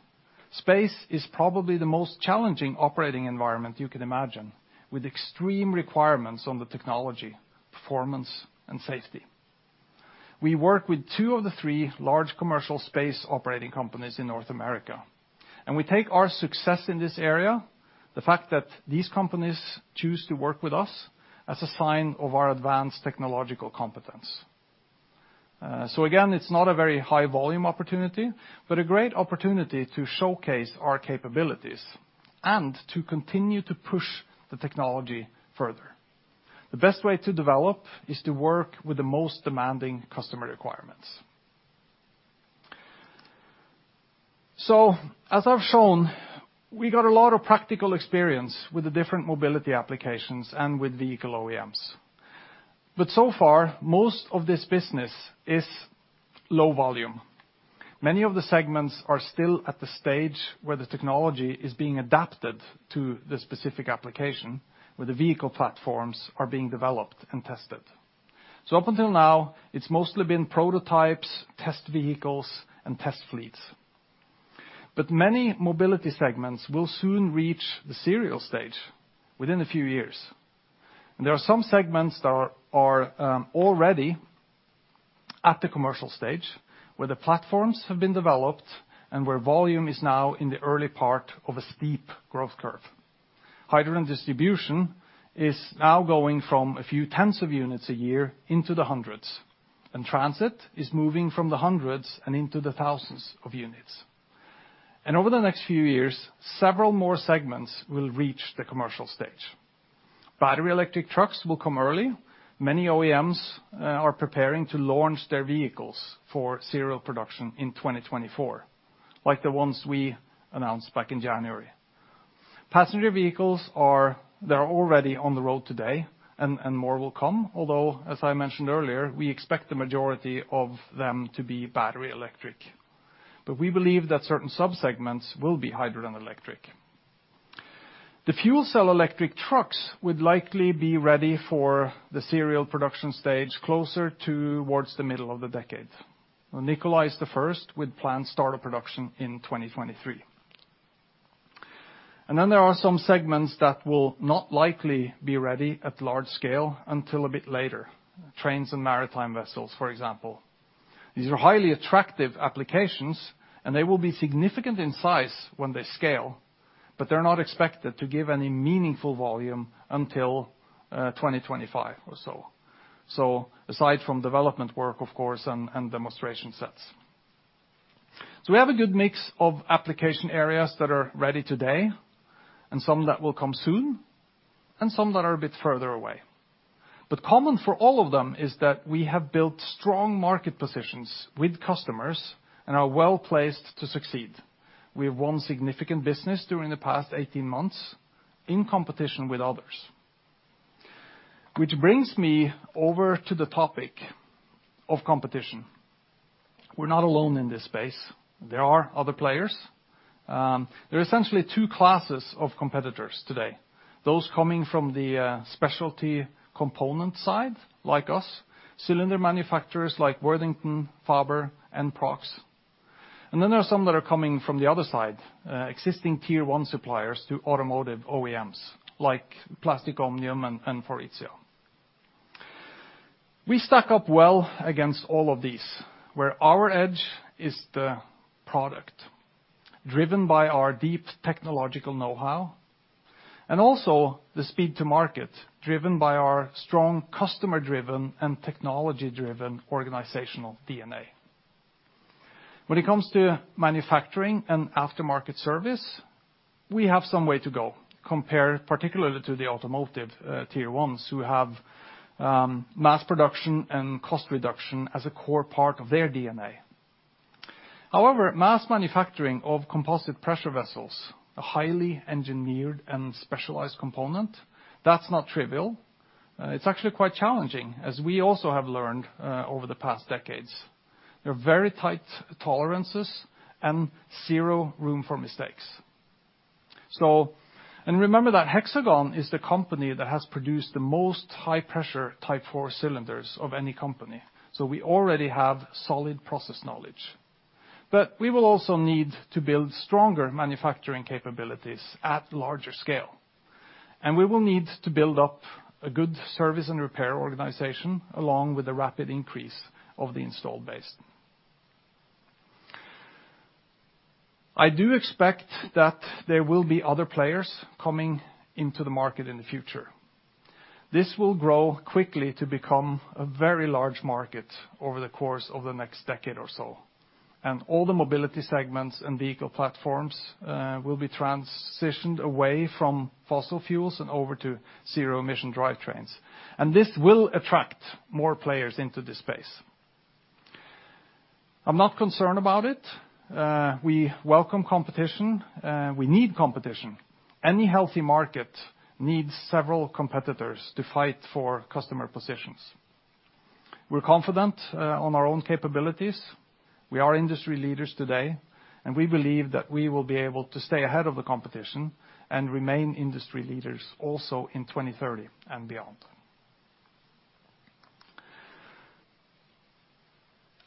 S2: Space is probably the most challenging operating environment you can imagine, with extreme requirements on the technology, performance, and safety. We work with two of the three large commercial space operating companies in North America, and we take our success in this area, the fact that these companies choose to work with us, as a sign of our advanced technological competence. Again, it's not a very high volume opportunity, but a great opportunity to showcase our capabilities and to continue to push the technology further. The best way to develop is to work with the most demanding customer requirements. As I've shown, we got a lot of practical experience with the different mobility applications and with vehicle OEMs. So far, most of this business is low volume. Many of the segments are still at the stage where the technology is being adapted to the specific application, where the vehicle platforms are being developed and tested. Up until now, it's mostly been prototypes, test vehicles, and test fleets. Many mobility segments will soon reach the serial stage within a few years. There are some segments that are already at the commercial stage, where the platforms have been developed and where volume is now in the early part of a steep growth curve. Hydrogen distribution is now going from a few tens of units a year into the hundreds, and transit is moving from the hundreds and into the thousands of units. Over the next few years, several more segments will reach the commercial stage. Battery electric trucks will come early. Many OEMs are preparing to launch their vehicles for serial production in 2024, like the ones we announced back in January. Passenger vehicles are already on the road today, and more will come, although, as I mentioned earlier, we expect the majority of them to be battery electric. But we believe that certain sub-segments will be hydrogen electric. The fuel cell electric trucks would likely be ready for the serial production stage closer towards the middle of the decade. Nikola is the first with planned start of production in 2023. Then there are some segments that will not likely be ready at large scale until a bit later, trains and maritime vessels, for example. These are highly attractive applications, and they will be significant in size when they scale, but they're not expected to give any meaningful volume until 2025 or so. Aside from development work, of course, and demonstration sets. We have a good mix of application areas that are ready today, and some that will come soon, and some that are a bit further away. Common for all of them is that we have built strong market positions with customers and are well-placed to succeed. We have won significant business during the past 18 months in competition with others. Which brings me over to the topic of competition. We're not alone in this space. There are other players. There are essentially two classes of competitors today, those coming from the specialty component side, like us, cylinder manufacturers like Worthington, Faber, and NPROXX. There are some that are coming from the other side, existing Tier 1 suppliers to automotive OEMs like Plastic Omnium and Faurecia. We stack up well against all of these, where our edge is the product driven by our deep technological know-how, and also the speed to market driven by our strong customer-driven and technology-driven organizational DNA. When it comes to manufacturing and aftermarket service, we have some way to go compared particularly to the automotive Tier 1s who have mass production and cost reduction as a core part of their DNA. However, mass manufacturing of composite pressure vessels, a highly engineered and specialized component, that's not trivial. It's actually quite challenging, as we also have learned over the past decades. There are very tight tolerances and zero room for mistakes. Remember that Hexagon is the company that has produced the most high-pressure Type 4 cylinders of any company, so we already have solid process knowledge. We will also need to build stronger manufacturing capabilities at larger scale, and we will need to build up a good service and repair organization along with the rapid increase of the installed base. I do expect that there will be other players coming into the market in the future. This will grow quickly to become a very large market over the course of the next decade or so, and all the mobility segments and vehicle platforms will be transitioned away from fossil fuels and over to zero-emission drivetrains. This will attract more players into this space. I'm not concerned about it. We welcome competition. We need competition. Any healthy market needs several competitors to fight for customer positions. We're confident on our own capabilities. We are industry leaders today, and we believe that we will be able to stay ahead of the competition and remain industry leaders also in 2030 and beyond.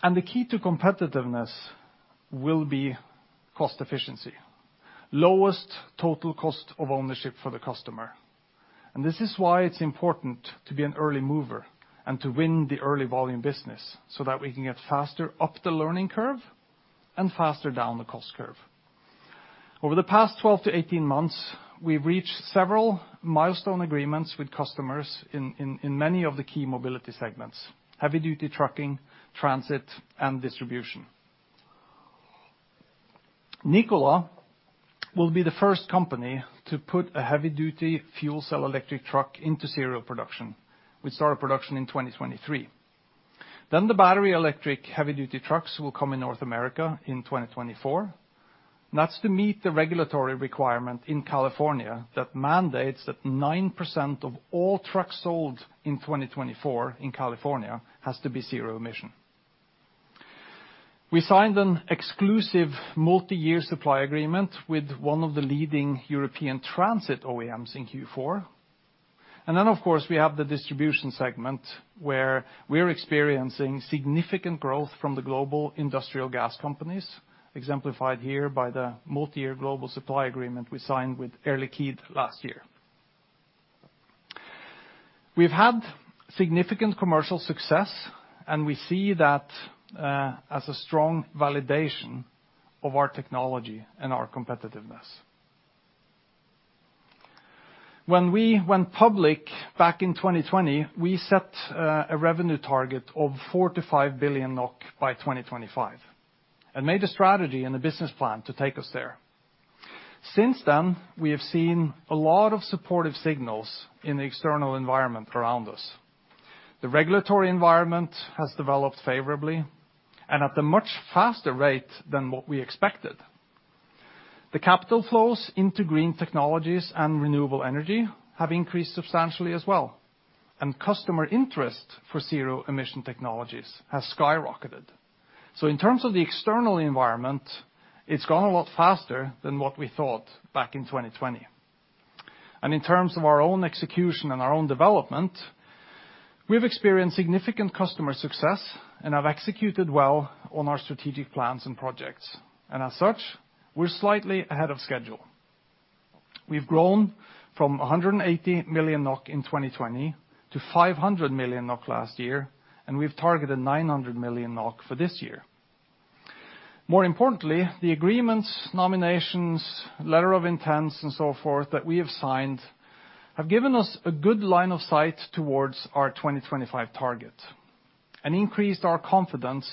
S2: The key to competitiveness will be cost efficiency, lowest total cost of ownership for the customer. This is why it's important to be an early mover and to win the early volume business, so that we can get faster up the learning curve and faster down the cost curve. Over the past 12-18 months, we've reached several milestone agreements with customers in many of the key mobility segments, heavy-duty trucking, transit, and distribution. Nikola will be the first company to put a heavy-duty fuel cell electric truck into serial production. We start production in 2023. The battery electric heavy-duty trucks will come in North America in 2024. That's to meet the regulatory requirement in California that mandates that 9% of all trucks sold in 2024 in California has to be zero emission. We signed an exclusive multi-year supply agreement with one of the leading European transit OEMs in Q4. Of course, we have the distribution segment, where we're experiencing significant growth from the global industrial gas companies, exemplified here by the multi-year global supply agreement we signed with Air Liquide last year. We've had significant commercial success, and we see that as a strong validation of our technology and our competitiveness. When we went public back in 2020, we set a revenue target of 4 billion-5 billion NOK by 2025 and made a strategy and a business plan to take us there. Since then, we have seen a lot of supportive signals in the external environment around us. The regulatory environment has developed favorably and at a much faster rate than what we expected. The capital flows into green technologies and renewable energy have increased substantially as well, and customer interest for zero emission technologies has skyrocketed. In terms of the external environment, it's gone a lot faster than what we thought back in 2020. In terms of our own execution and our own development, we've experienced significant customer success and have executed well on our strategic plans and projects. As such, we're slightly ahead of schedule. We've grown from 180 million NOK in 2020 to 500 million NOK last year, and we've targeted 900 million NOK for this year. More importantly, the agreements, nominations, letter of intents, and so forth that we have signed have given us a good line of sight towards our 2025 target and increased our confidence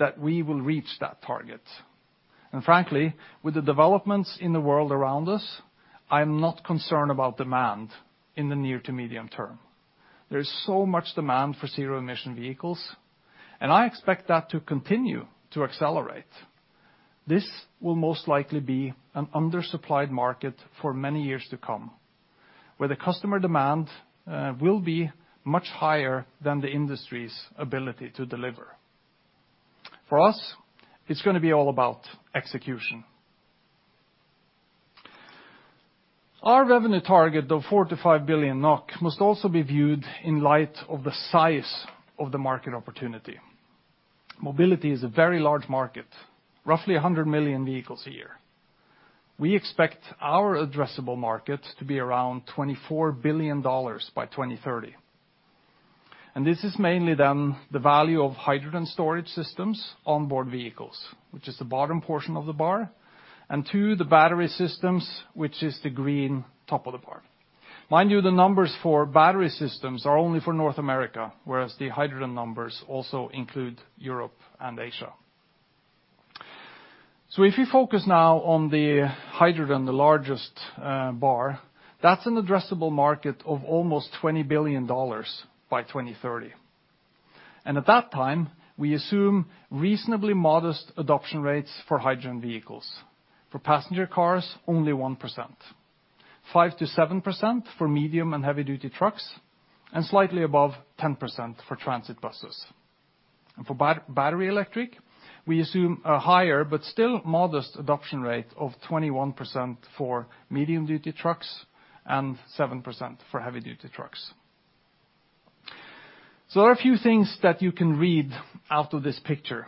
S2: that we will reach that target. Frankly, with the developments in the world around us, I am not concerned about demand in the near to medium term. There is so much demand for zero emission vehicles, and I expect that to continue to accelerate. This will most likely be an undersupplied market for many years to come, where the customer demand will be much higher than the industry's ability to deliver. For us, it's gonna be all about execution. Our revenue target of 4 billion-5 billion NOK must also be viewed in light of the size of the market opportunity. Mobility is a very large market, roughly 100 million vehicles a year. We expect our addressable market to be around $24 billion by 2030. This is mainly then the value of hydrogen storage systems on board vehicles, which is the bottom portion of the bar, and two, the battery systems, which is the green top of the bar. Mind you, the numbers for battery systems are only for North America, whereas the hydrogen numbers also include Europe and Asia. If you focus now on the hydrogen, the largest, bar, that's an addressable market of almost $20 billion by 2030. At that time, we assume reasonably modest adoption rates for hydrogen vehicles. For passenger cars, only 1%, 5%-7% for medium and heavy-duty trucks, and slightly above 10% for transit buses. For battery electric, we assume a higher but still modest adoption rate of 21% for medium-duty trucks and 7% for heavy-duty trucks. There are a few things that you can read out of this picture.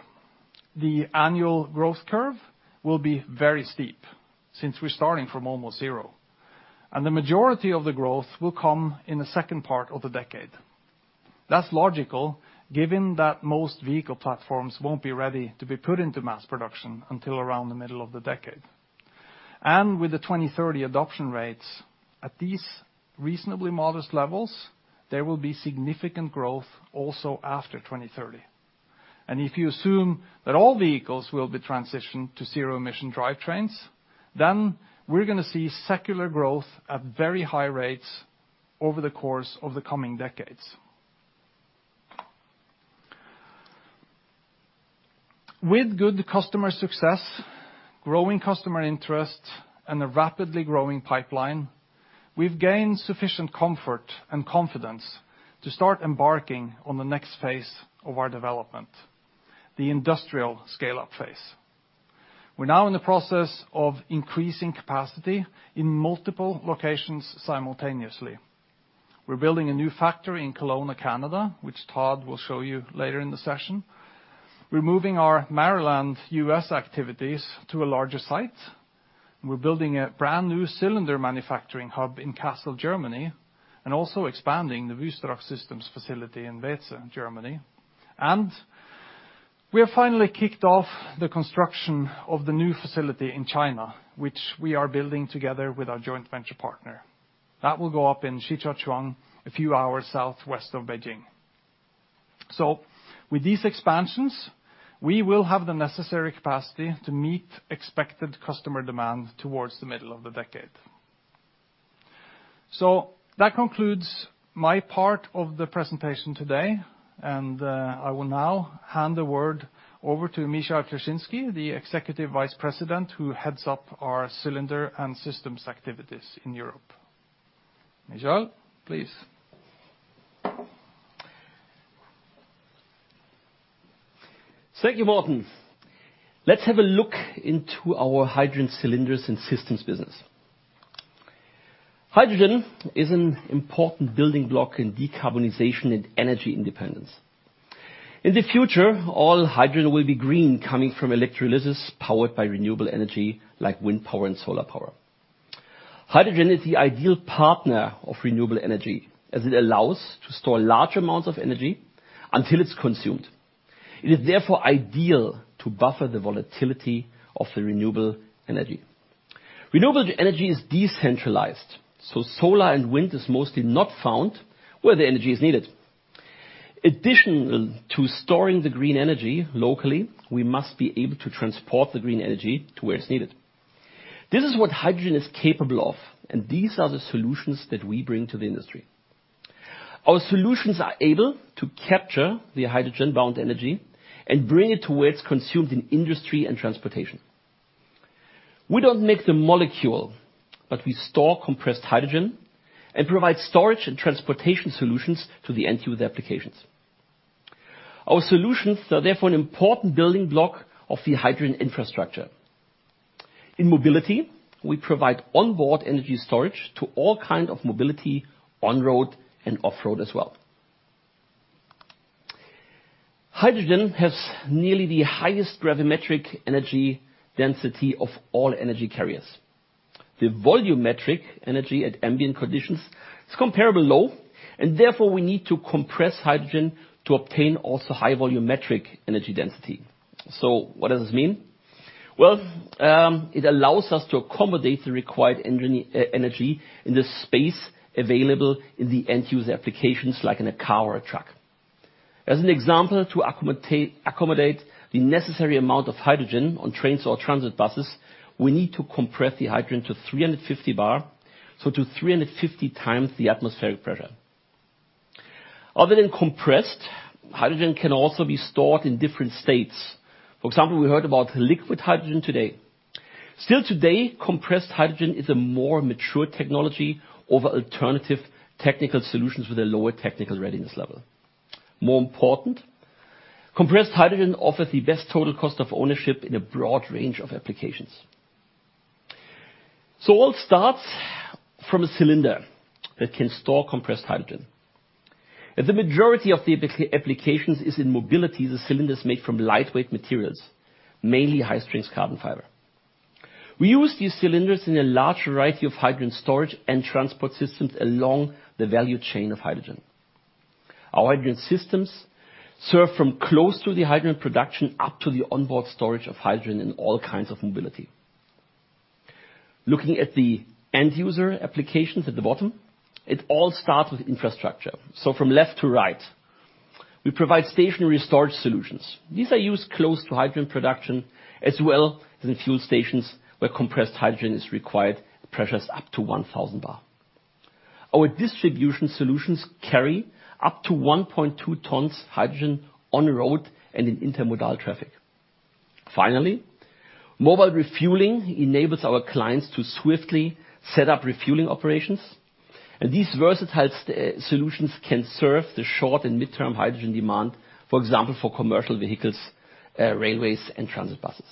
S2: The annual growth curve will be very steep since we're starting from almost zero, and the majority of the growth will come in the second part of the decade. That's logical, given that most vehicle platforms won't be ready to be put into mass production until around the middle of the decade. With the 2030 adoption rates at these reasonably modest levels, there will be significant growth also after 2030. If you assume that all vehicles will be transitioned to zero-emission drivetrains, then we're gonna see secular growth at very high rates over the course of the coming decades. With good customer success, growing customer interest, and a rapidly growing pipeline, we've gained sufficient comfort and confidence to start embarking on the next phase of our development, the industrial scale-up phase. We're now in the process of increasing capacity in multiple locations simultaneously. We're building a new factory in Kelowna, Canada, which Todd will show you later in the session. We're moving our Maryland, U.S. activities to a larger site. We're building a brand-new cylinder manufacturing hub in Kassel, Germany, and also expanding the Wystrach facility in Weeze, Germany. We have finally kicked off the construction of the new facility in China, which we are building together with our joint venture partner. That will go up in Shijiazhuang, a few hours southwest of Beijing. With these expansions, we will have the necessary capacity to meet expected customer demand towards the middle of the decade. That concludes my part of the presentation today, and, I will now hand the word over to Michael Kleschinski, the Executive Vice President who heads up our cylinder and systems activities in Europe. Michael, please.
S4: Thank you, Morten. Let's have a look into our hydrogen cylinders and systems business. Hydrogen is an important building block in decarbonization and energy independence. In the future, all hydrogen will be green, coming from electrolysis powered by renewable energy like wind power and solar power. Hydrogen is the ideal partner of renewable energy as it allows to store large amounts of energy until it's consumed. It is therefore ideal to buffer the volatility of the renewable energy. Renewable energy is decentralized, so solar and wind is mostly not found where the energy is needed. Additional to storing the green energy locally, we must be able to transport the green energy to where it's needed. This is what hydrogen is capable of, and these are the solutions that we bring to the industry. Our solutions are able to capture the hydrogen-bound energy and bring it to where it's consumed in industry and transportation. We don't make the molecule, but we store compressed hydrogen and provide storage and transportation solutions to the end user applications. Our solutions are therefore an important building block of the hydrogen infrastructure. In mobility, we provide onboard energy storage to all kind of mobility on road and off road as well. Hydrogen has nearly the highest gravimetric energy density of all energy carriers. The volumetric energy at ambient conditions is comparably low, and therefore we need to compress hydrogen to obtain also high volumetric energy density. What does this mean? Well, it allows us to accommodate the required energy in the space available in the end user applications, like in a car or a truck. As an example, to accommodate the necessary amount of hydrogen on trains or transit buses, we need to compress the hydrogen to 350 bar, so to 350 times the atmospheric pressure. Other than compressed, hydrogen can also be stored in different states. For example, we heard about liquid hydrogen today. Still today, compressed hydrogen is a more mature technology over alternative technical solutions with a lower technical readiness level. More important, compressed hydrogen offers the best total cost of ownership in a broad range of applications. All starts from a cylinder that can store compressed hydrogen. As the majority of the applications is in mobility, the cylinder is made from lightweight materials, mainly high-strength carbon fiber. We use these cylinders in a large variety of hydrogen storage and transport systems along the value chain of hydrogen. Our hydrogen systems serve from close to the hydrogen production up to the onboard storage of hydrogen in all kinds of mobility. Looking at the end user applications at the bottom, it all starts with infrastructure. From left to right, we provide stationary storage solutions. These are used close to hydrogen production, as well as in fuel stations where compressed hydrogen is required, pressures up to 1,000 bar. Our distribution solutions carry up to 1.2 tons hydrogen on road and in intermodal traffic. Finally, mobile refueling enables our clients to swiftly set up refueling operations, and these versatile solutions can serve the short and mid-term hydrogen demand, for example, for commercial vehicles, railways and transit buses.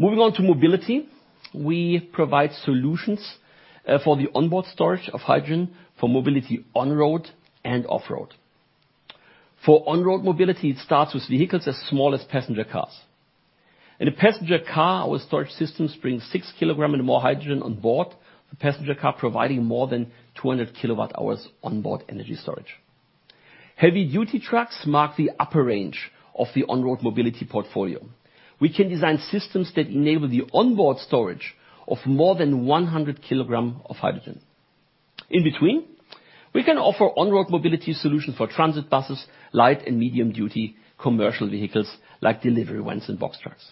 S4: Moving on to mobility, we provide solutions for the onboard storage of hydrogen for mobility on road and off road. For on-road mobility, it starts with vehicles as small as passenger cars. In a passenger car, our storage systems bring 6 kg and more hydrogen on board the passenger car, providing more than 200 kWh onboard energy storage. Heavy-duty trucks mark the upper range of the on-road mobility portfolio. We can design systems that enable the onboard storage of more than 100 kg of hydrogen. In between, we can offer on-road mobility solutions for transit buses, light and medium-duty commercial vehicles like delivery vans and box trucks.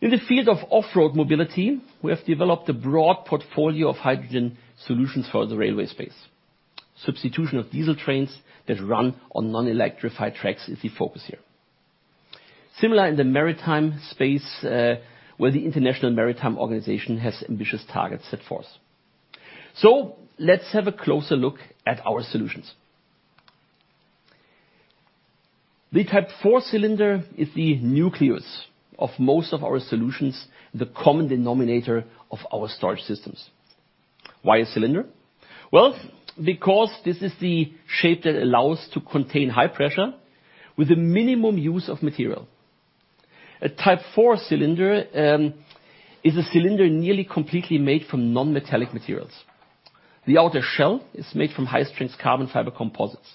S4: In the field of off-road mobility, we have developed a broad portfolio of hydrogen solutions for the railway space. Substitution of diesel trains that run on non-electrified tracks is the focus here. Similar in the maritime space, where the International Maritime Organization has ambitious targets set forth. Let's have a closer look at our solutions. The Type 4 cylinder is the nucleus of most of our solutions, the common denominator of our storage systems. Why a cylinder? Well, because this is the shape that allows to contain high pressure with a minimum use of material. A Type 4 cylinder is a cylinder nearly completely made from non-metallic materials. The outer shell is made from high-strength carbon fiber composites.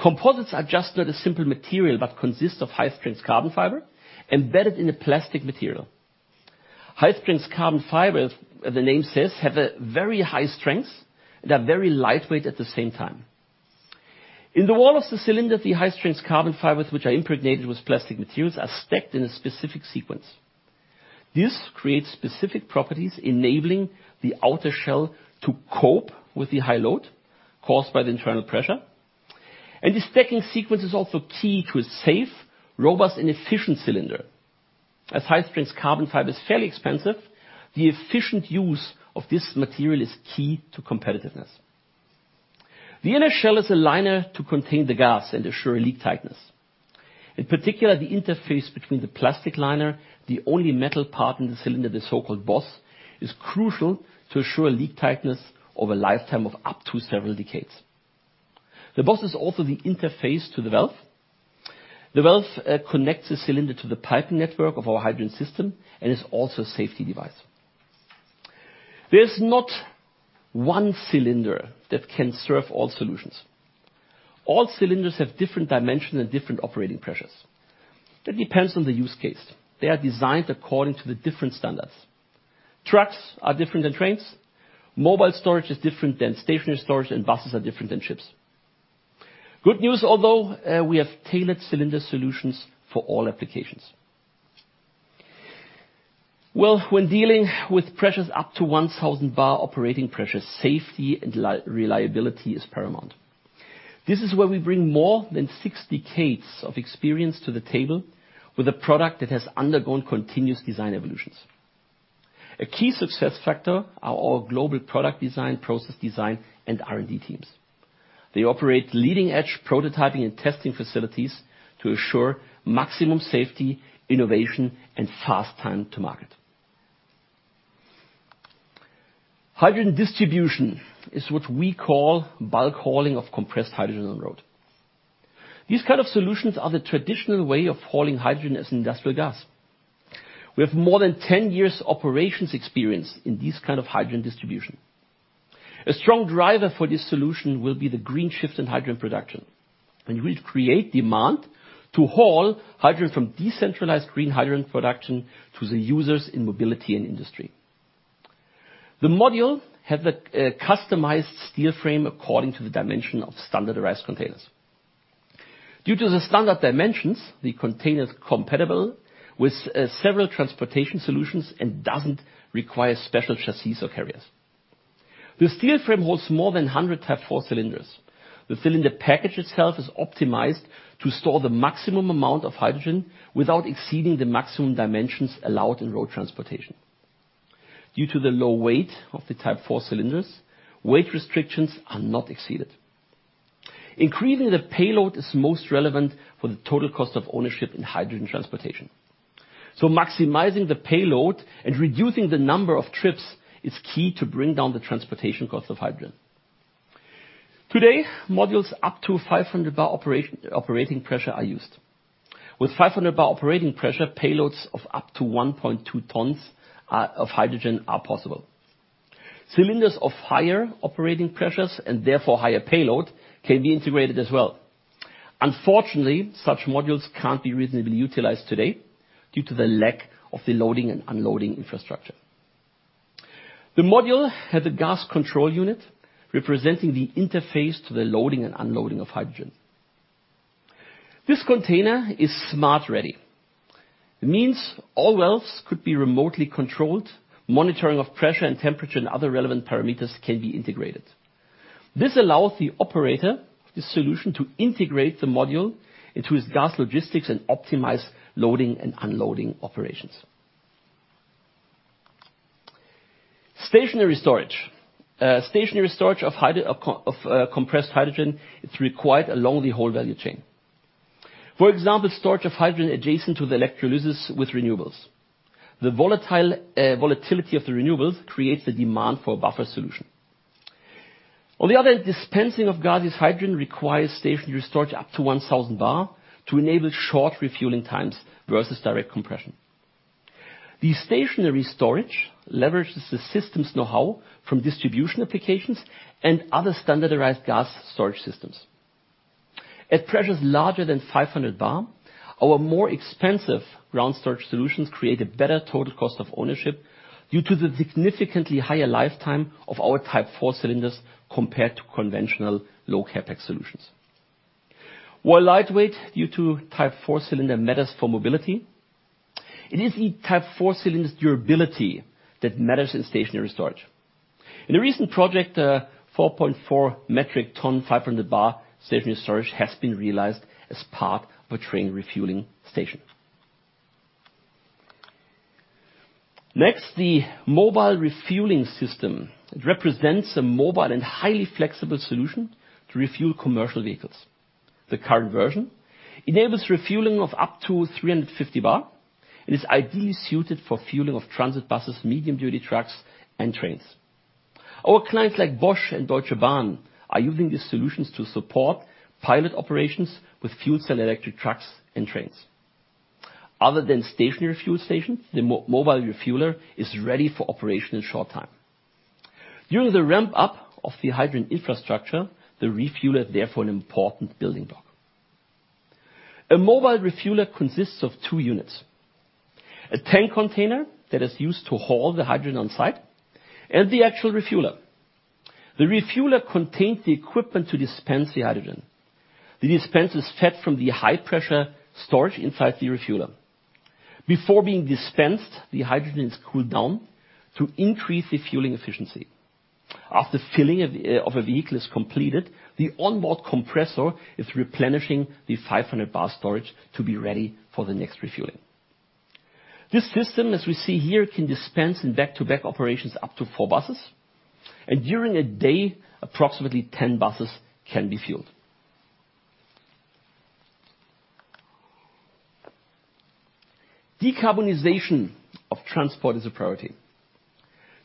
S4: Composites are just not a simple material, but consists of high-strength carbon fiber embedded in a plastic material. High-strength carbon fiber, as the name says, have a very high strength. They are very lightweight at the same time. In the wall of the cylinder, the high-strength carbon fibers, which are impregnated with plastic materials, are stacked in a specific sequence. This creates specific properties enabling the outer shell to cope with the high load caused by the internal pressure. The stacking sequence is also key to a safe, robust, and efficient cylinder. As high-strength carbon fiber is fairly expensive, the efficient use of this material is key to competitiveness. The inner shell is a liner to contain the gas and ensure leak tightness. In particular, the interface between the plastic liner, the only metal part in the cylinder, the so-called boss, is crucial to ensure leak tightness over a lifetime of up to several decades. The boss is also the interface to the valve. The valve connects the cylinder to the piping network of our hydrogen system and is also a safety device. There's not one cylinder that can serve all solutions. All cylinders have different dimensions and different operating pressures. That depends on the use case. They are designed according to the different standards. Trucks are different than trains, mobile storage is different than stationary storage, and buses are different than ships. Good news although, we have tailored cylinder solutions for all applications. Well, when dealing with pressures up to 1,000 bar operating pressure, safety and reliability is paramount. This is where we bring more than six decades of experience to the table with a product that has undergone continuous design evolutions. A key success factor are our global product design, process design, and R&D teams. They operate leading-edge prototyping and testing facilities to ensure maximum safety, innovation, and fast time to market. Hydrogen distribution is what we call bulk hauling of compressed hydrogen on road. These kind of solutions are the traditional way of hauling hydrogen as industrial gas. We have more than 10 years operations experience in this kind of hydrogen distribution. A strong driver for this solution will be the green shift in hydrogen production, and will create demand to haul hydrogen from decentralized green hydrogen production to the users in mobility and industry. The module has a customized steel frame according to the dimension of standardized containers. Due to the standard dimensions, the container is compatible with several transportation solutions and doesn't require special chassis or carriers. The steel frame holds more than 100 Type 4 cylinders. The cylinder package itself is optimized to store the maximum amount of hydrogen without exceeding the maximum dimensions allowed in road transportation. Due to the low weight of the Type 4 cylinders, weight restrictions are not exceeded. Increasing the payload is most relevant for the total cost of ownership in hydrogen transportation. Maximizing the payload and reducing the number of trips is key to bring down the transportation cost of hydrogen. Today, modules up to 500 bar operating pressure are used. With 500 bar operating pressure, payloads of up to 1.2 tons of hydrogen are possible. Cylinders of higher operating pressures, and therefore higher payload, can be integrated as well. Unfortunately, such modules can't be reasonably utilized today due to the lack of the loading and unloading infrastructure. The module has a gas control unit representing the interface to the loading and unloading of hydrogen. This container is smart ready. It means all valves could be remotely controlled. Monitoring of pressure and temperature and other relevant parameters can be integrated. This allows the operator the solution to integrate the module into his gas logistics and optimize loading and unloading operations. Stationary storage. Stationary storage of compressed hydrogen is required along the whole value chain. For example, storage of hydrogen adjacent to the electrolysis with renewables. The volatility of the renewables creates the demand for a buffer solution. On the other hand, dispensing of gaseous hydrogen requires stationary storage up to 1,000 bar to enable short refueling times versus direct compression. The stationary storage leverages the systems know-how from distribution applications and other standardized gas storage systems. At pressures larger than 500 bar, our more expensive ground storage solutions create a better total cost of ownership due to the significantly higher lifetime of our Type 4 cylinders compared to conventional low CapEx solutions. While lightweight due to Type 4 cylinder matters for mobility, it is the Type 4 cylinder's durability that matters in stationary storage. In a recent project, 4.4 metric tons, 500 bar stationary storage has been realized as part of a train refueling station. Next, the mobile refueling system. It represents a mobile and highly flexible solution to refuel commercial vehicles. The current version enables refueling of up to 350 bar, and is ideally suited for fueling of transit buses, medium-duty trucks, and trains. Our clients like Bosch and Deutsche Bahn are using these solutions to support pilot operations with fuel cell electric trucks and trains. Other than stationary fuel stations, the mobile refueler is ready for operation in short time. During the ramp-up of the hydrogen infrastructure, the refueler therefore an important building block. A mobile refueler consists of two units, a tank container that is used to haul the hydrogen on site and the actual refueler. The refueler contains the equipment to dispense the hydrogen. The dispenser is fed from the high pressure storage inside the refueler. Before being dispensed, the hydrogen is cooled down to increase the fueling efficiency. After filling of a vehicle is completed, the onboard compressor is replenishing the 500 bar storage to be ready for the next refueling. This system, as we see here, can dispense in back-to-back operations up to four buses, and during a day, approximately 10 buses can be fueled. Decarbonization of transport is a priority.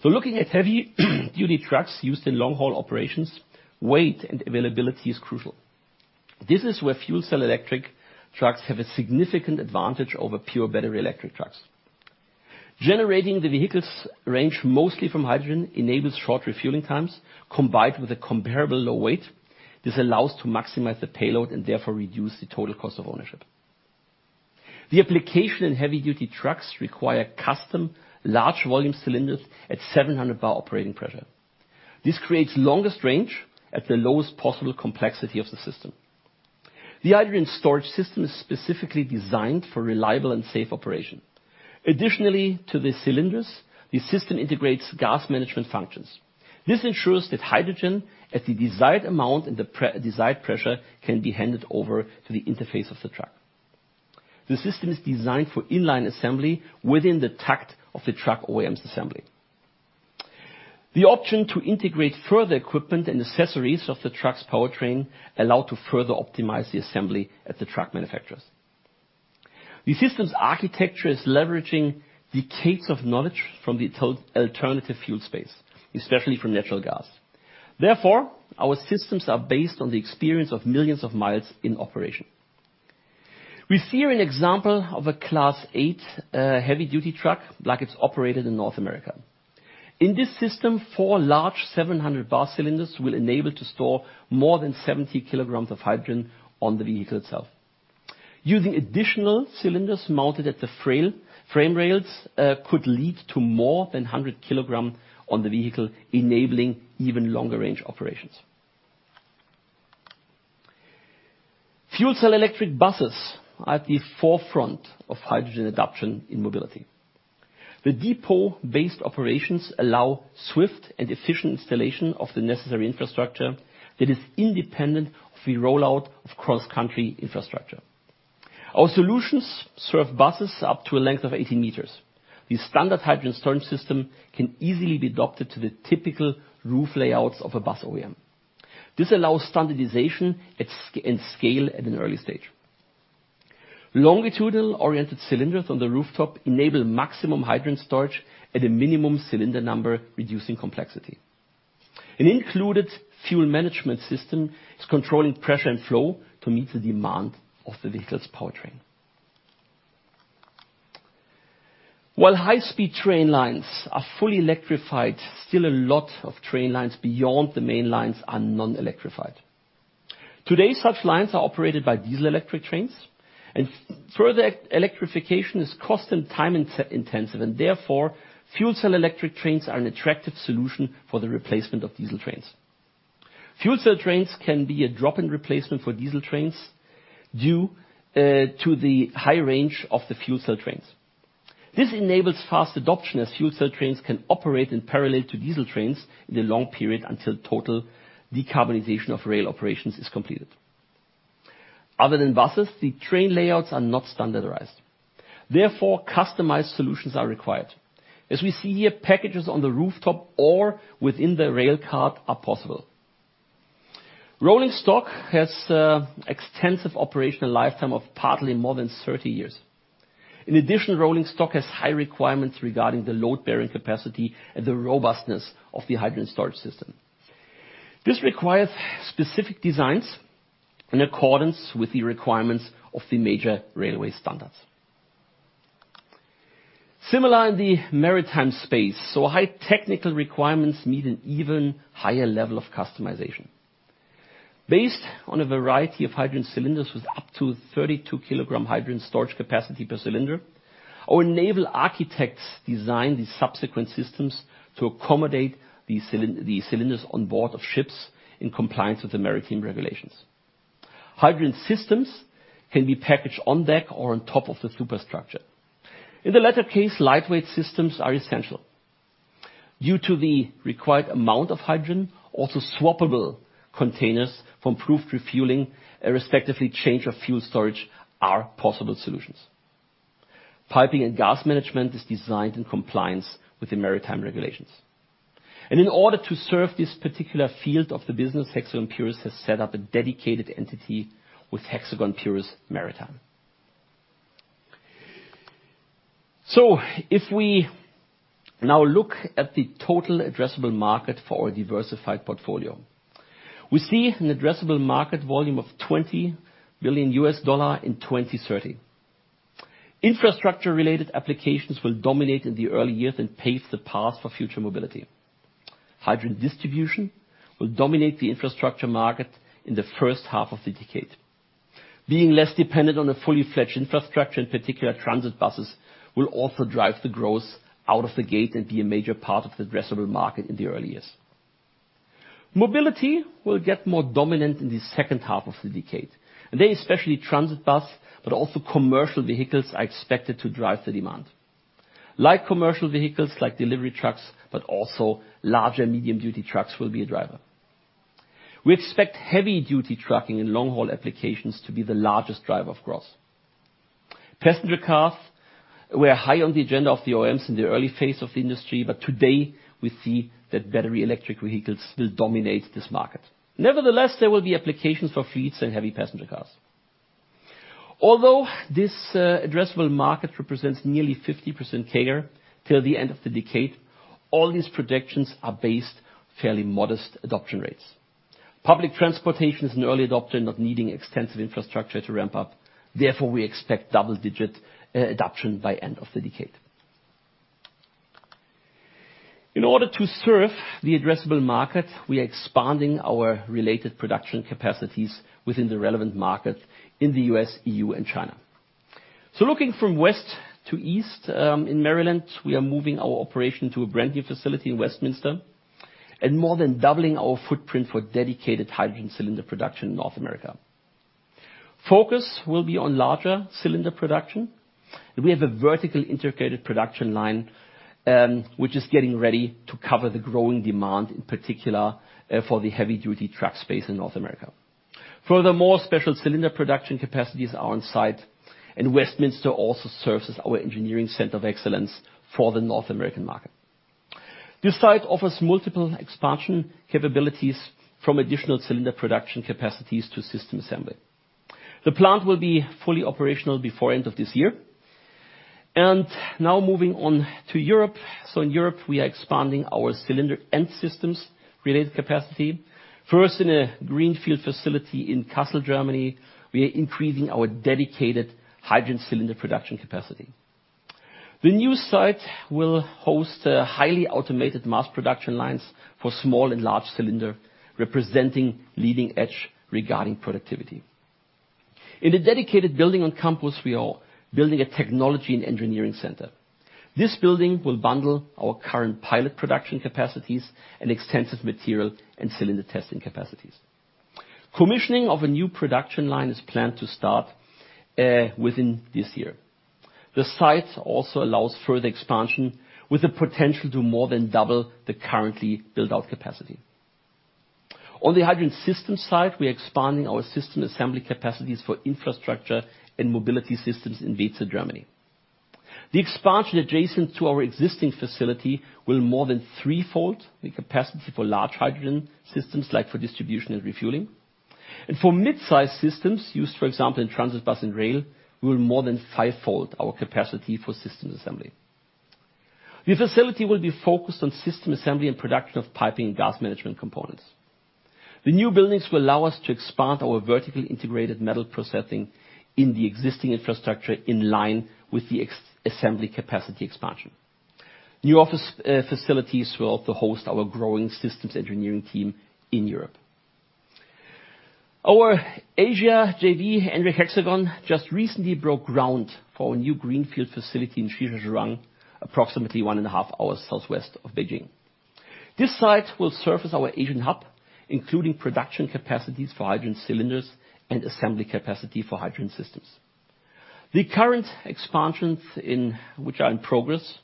S4: Looking at heavy-duty trucks used in long-haul operations, weight and availability is crucial. This is where fuel cell electric trucks have a significant advantage over pure battery electric trucks. Generating the vehicles range mostly from hydrogen enables short refueling times combined with a comparable low weight. This allows to maximize the payload and therefore reduce the total cost of ownership. The applications in heavy-duty trucks require custom large volume cylinders at 700 bar operating pressure. This creates longest range at the lowest possible complexity of the system. The hydrogen storage system is specifically designed for reliable and safe operation. Additionally to the cylinders, the system integrates gas management functions. This ensures that hydrogen at the desired amount and the desired pressure can be handed over to the interface of the truck. The system is designed for in-line assembly within the takt of the truck OEM's assembly. The option to integrate further equipment and accessories of the truck's powertrain allows to further optimize the assembly at the truck manufacturers. The system's architecture is leveraging decades of knowledge from the alternative fuel space, especially from natural gas. Therefore, our systems are based on the experience of millions of miles in operation. We see here an example of a Class 8 heavy-duty truck like it's operated in North America. In this system, four large 700 bar cylinders will enable to store more than 70 kg of hydrogen on the vehicle itself. Using additional cylinders mounted at the frame rails could lead to more than 100 kg on the vehicle, enabling even longer range operations. Fuel cell electric buses are at the forefront of hydrogen adoption in mobility. The depot-based operations allow swift and efficient installation of the necessary infrastructure that is independent of the rollout of cross-country infrastructure. Our solutions serve buses up to a length of 80 meters. The standard hydrogen storage system can easily be adapted to the typical roof layouts of a bus OEM. This allows standardization and scale at an early stage. Longitudinal-oriented cylinders on the rooftop enable maximum hydrogen storage at a minimum cylinder number, reducing complexity. An included fuel management system is controlling pressure and flow to meet the demand of the vehicle's powertrain. While high-speed train lines are fully electrified, still a lot of train lines beyond the main lines are non-electrified. Today, such lines are operated by diesel-electric trains, and further electrification is cost and time intensive and therefore, fuel cell electric trains are an attractive solution for the replacement of diesel trains. Fuel cell trains can be a drop-in replacement for diesel trains due to the high range of the fuel cell trains. This enables fast adoption as fuel cell trains can operate in parallel to diesel trains in the long period until total decarbonization of rail operations is completed. Other than buses, the train layouts are not standardized, therefore customized solutions are required. As we see here, packages on the rooftop or within the rail cart are possible. Rolling stock has extensive operational lifetime of partly more than 30 years. In addition, rolling stock has high requirements regarding the load-bearing capacity and the robustness of the hydrogen storage system. This requires specific designs in accordance with the requirements of the major railway standards. Similar in the maritime space, high technical requirements need an even higher level of customization. Based on a variety of hydrogen cylinders with up to 32 kg hydrogen storage capacity per cylinder, our naval architects design the subsequent systems to accommodate the cylinders on board of ships in compliance with the maritime regulations. Hydrogen systems can be packaged on deck or on top of the superstructure. In the latter case, lightweight systems are essential. Due to the required amount of hydrogen, also swappable containers from proved refueling, respectively change of fuel storage are possible solutions. Piping and gas management is designed in compliance with the maritime regulations. In order to serve this particular field of the business, Hexagon Purus has set up a dedicated entity with Hexagon Purus Maritime. If we now look at the total addressable market for our diversified portfolio, we see an addressable market volume of $20 billion in 2030. Infrastructure-related applications will dominate in the early years and pave the path for future mobility. Hydrogen distribution will dominate the infrastructure market in the first half of the decade. Being less dependent on a fully-fledged infrastructure, in particular transit buses, will also drive the growth out of the gate and be a major part of the addressable market in the early years. Mobility will get more dominant in the second half of the decade. They, especially transit bus, but also commercial vehicles, are expected to drive the demand. Light commercial vehicles, like delivery trucks, but also larger medium-duty trucks will be a driver. We expect heavy-duty trucking and long-haul applications to be the largest driver of growth. Passenger cars were high on the agenda of the OEMs in the early phase of the industry, but today we see that battery electric vehicles will dominate this market. Nevertheless, there will be applications for fleets and heavy passenger cars. Although this addressable market represents nearly 50% CAGR till the end of the decade, all these projections are based on fairly modest adoption rates. Public transportation is an early adopter, not needing extensive infrastructure to ramp up. Therefore, we expect double-digit adoption by end of the decade. In order to serve the addressable market, we are expanding our related production capacities within the relevant market in the U.S., EU, and China. Looking from west to east, in Maryland, we are moving our operation to a brand-new facility in Westminster, and more than doubling our footprint for dedicated hydrogen cylinder production in North America. Focus will be on larger cylinder production. We have a vertically integrated production line, which is getting ready to cover the growing demand, in particular, for the heavy-duty truck space in North America. Furthermore, special cylinder production capacities are on site, and Westminster also serves as our engineering center of excellence for the North American market. This site offers multiple expansion capabilities from additional cylinder production capacities to system assembly. The plant will be fully operational before end of this year. Now moving on to Europe. In Europe, we are expanding our cylinder and systems-related capacity. First, in a greenfield facility in Kassel, Germany, we are increasing our dedicated hydrogen cylinder production capacity. The new site will host highly automated mass production lines for small and large cylinder, representing leading edge regarding productivity. In a dedicated building on campus, we are building a technology and engineering center. This building will bundle our current pilot production capacities and extensive material and cylinder testing capacities. Commissioning of a new production line is planned to start within this year. The site also allows further expansion, with the potential to more than double the currently build-out capacity. On the hydrogen system side, we are expanding our system assembly capacities for infrastructure and mobility systems in Weeze, Germany. The expansion adjacent to our existing facility will more than threefold the capacity for large hydrogen systems, like for distribution and refueling. For mid-size systems used, for example, in transit bus and rail, we will more than five-fold our capacity for systems assembly. The facility will be focused on system assembly and production of piping and gas management components. The new buildings will allow us to expand our vertically integrated metal processing in the existing infrastructure in line with the system-assembly capacity expansion. New office facilities will host our growing systems engineering team in Europe. Our Asia JV, CIMC-Hexagon, just recently broke ground for a new greenfield facility in Shijiazhuang, approximately 1.5 hours southwest of Beijing. This site will serve as our Asian hub, including production capacities for hydrogen cylinders and assembly capacity for hydrogen systems. The current expansions, which are in progress,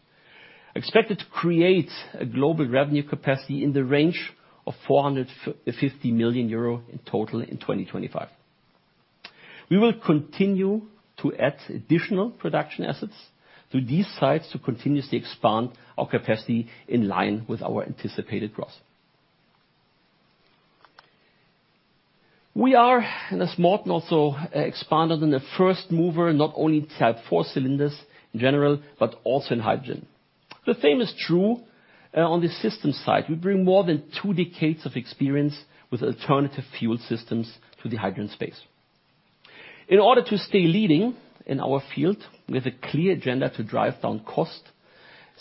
S4: expected to create a global revenue capacity in the range of 450 million euro in total in 2025. We will continue to add additional production assets to these sites to continuously expand our capacity in line with our anticipated growth. We are, and as Morten also expanded on, a first mover, not only Type 4 cylinders in general, but also in hydrogen. The same is true on the systems side. We bring more than two decades of experience with alternative fuel systems to the hydrogen space. In order to stay leading in our field, we have a clear agenda to drive down cost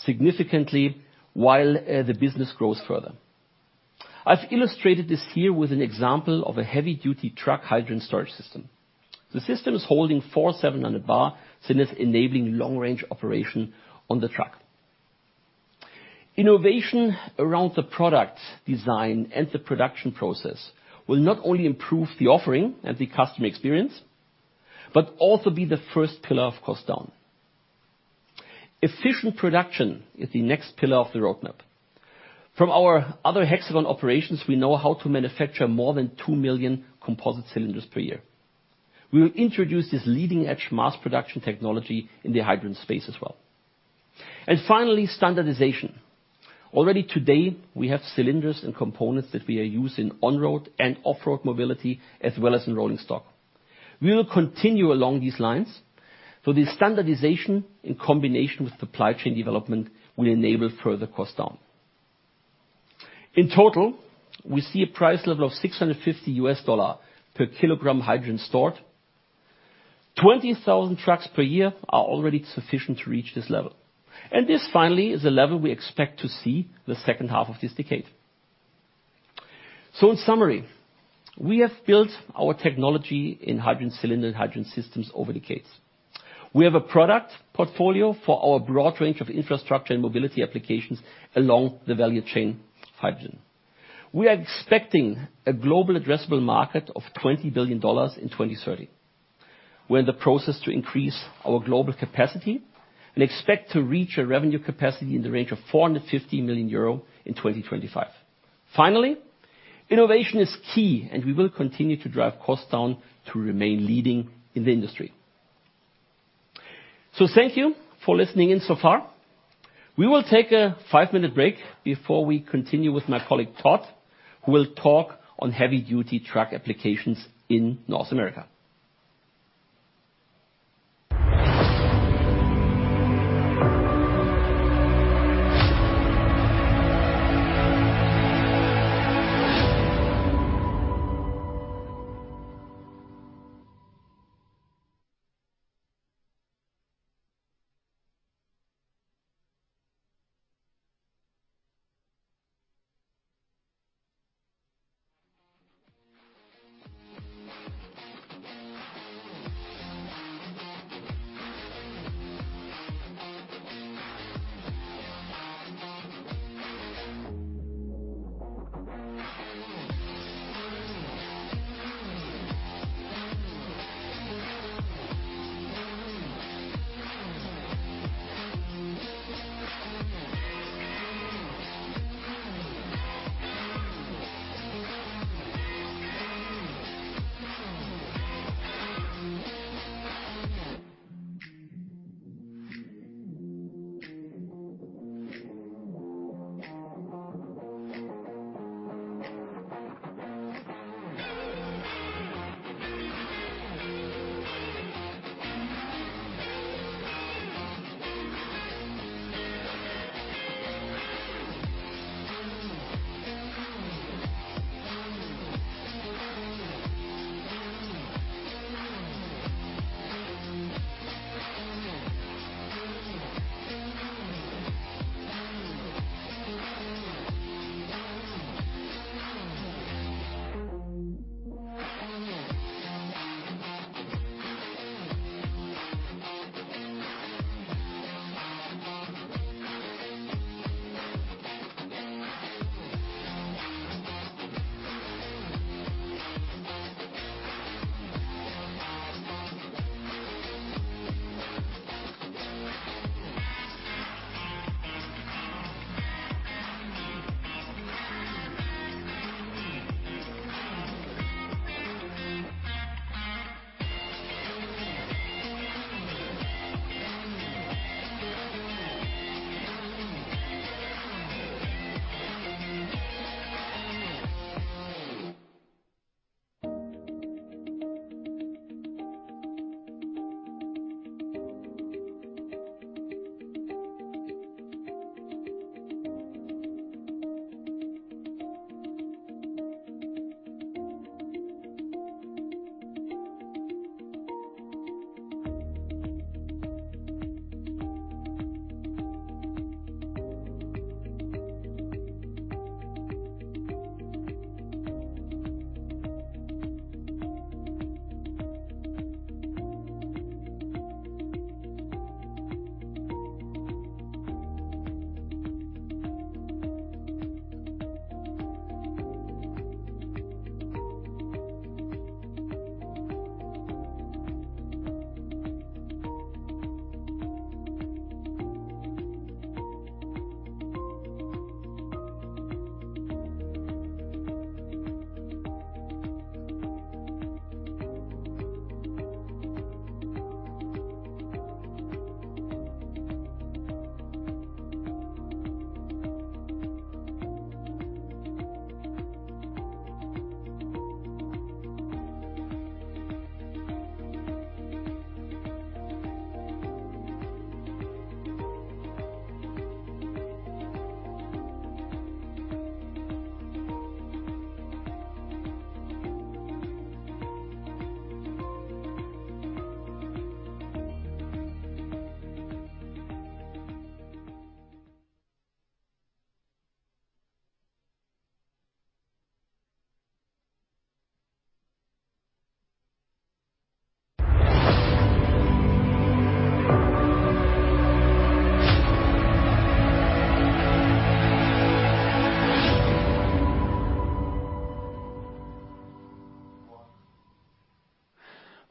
S4: significantly while the business grows further. I've illustrated this here with an example of a heavy-duty truck hydrogen storage system. The system is holding four 700-bar cylinders, enabling long-range operation on the truck. Innovation around the product design and the production process will not only improve the offering and the customer experience, but also be the first pillar of cost down. Efficient production is the next pillar of the roadmap. From our other Hexagon operations, we know how to manufacture more than 2 million composite cylinders per year. We will introduce this leading-edge mass production technology in the hydrogen space as well. Finally, standardization. Already today, we have cylinders and components that we are using on-road and off-road mobility, as well as in rolling stock. We will continue along these lines, so the standardization in combination with supply chain development will enable further cost down. In total, we see a price level of $650/kg hydrogen stored. 20,000 trucks per year are already sufficient to reach this level, and this finally is a level we expect to see the second half of this decade. In summary, we have built our technology in hydrogen cylinder and hydrogen systems over decades. We have a product portfolio for our broad range of infrastructure and mobility applications along the value chain of hydrogen. We are expecting a global addressable market of $20 billion in 2030. We're in the process to increase our global capacity and expect to reach a revenue capacity in the range of 450 million euro in 2025. Innovation is key, and we will continue to drive costs down to remain leading in the industry. Thank you for listening in so far. We will take a five-minute break before we continue with my colleague, Todd, who will talk on heavy-duty truck applications in North America.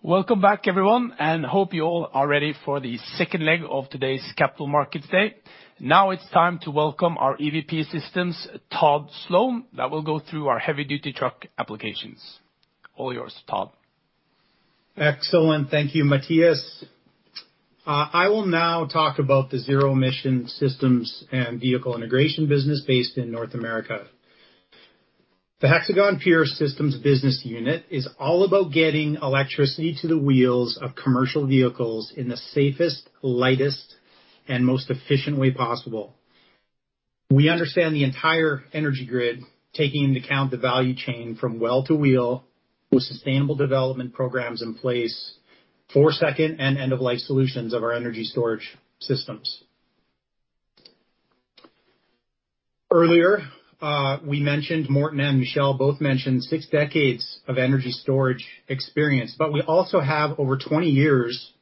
S1: Welcome back, everyone, and hope you all are ready for the second leg of today's Capital Markets Day. Now it's time to welcome our EVP Systems, Todd Sloan, that will go through our heavy-duty truck applications. All yours, Todd.
S5: Excellent. Thank you, Mathias. I will now talk about the zero-emission systems and vehicle integration business based in North America. The Hexagon Purus Systems business unit is all about getting electricity to the wheels of commercial vehicles in the safest, lightest, and most efficient way possible. We understand the entire energy grid, taking into account the value chain from well to wheel, with sustainable development programs in place for second and end-of-life solutions of our energy storage systems. Earlier, we mentioned, Morten Holum and Michael Kleschinski both mentioned six decades of energy storage experience, but we also have over 20 years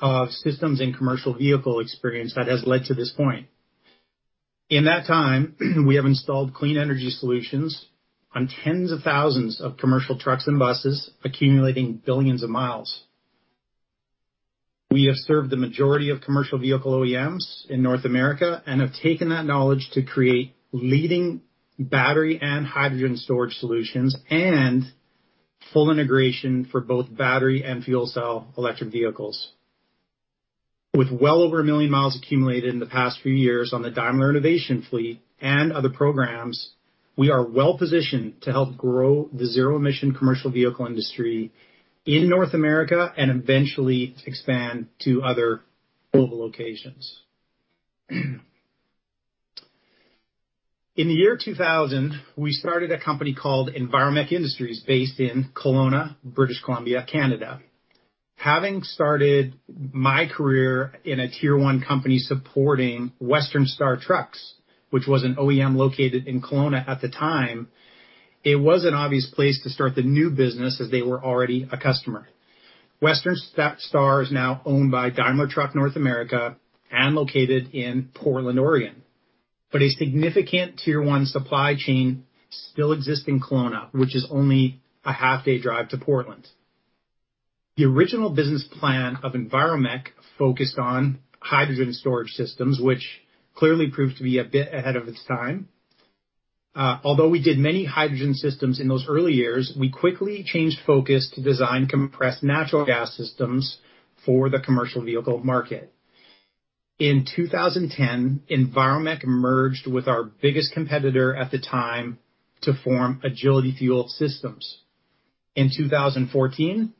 S5: of systems and commercial vehicle experience that has led to this point. In that time, we have installed clean energy solutions on tens of thousands of commercial trucks and buses, accumulating billions of miles. We have served the majority of commercial vehicle OEMs in North America and have taken that knowledge to create leading battery and hydrogen storage solutions and full integration for both battery and fuel cell electric vehicles. With well over 1 million miles accumulated in the past few years on the Daimler's Innovation Fleet and other programs, we are well-positioned to help grow the zero-emission commercial vehicle industry in North America and eventually expand to other global locations. In the year 2000, we started a company called Enviromech Industries based in Kelowna, British Columbia, Canada. Having started my career in a Tier 1 company supporting Western Star Trucks, which was an OEM located in Kelowna at the time, it was an obvious place to start the new business as they were already a customer. Western Star is now owned by Daimler Truck North America and located in Portland, Oregon. A significant Tier 1 supply chain still exists in Kelowna, which is only a half-day drive to Portland. The original business plan of Enviromech focused on hydrogen storage systems, which clearly proved to be a bit ahead of its time. Although we did many hydrogen systems in those early years, we quickly changed focus to design compressed natural gas systems for the commercial vehicle market. In 2010, Enviromech merged with our biggest competitor at the time to form Agility Fuel Systems. In 2014,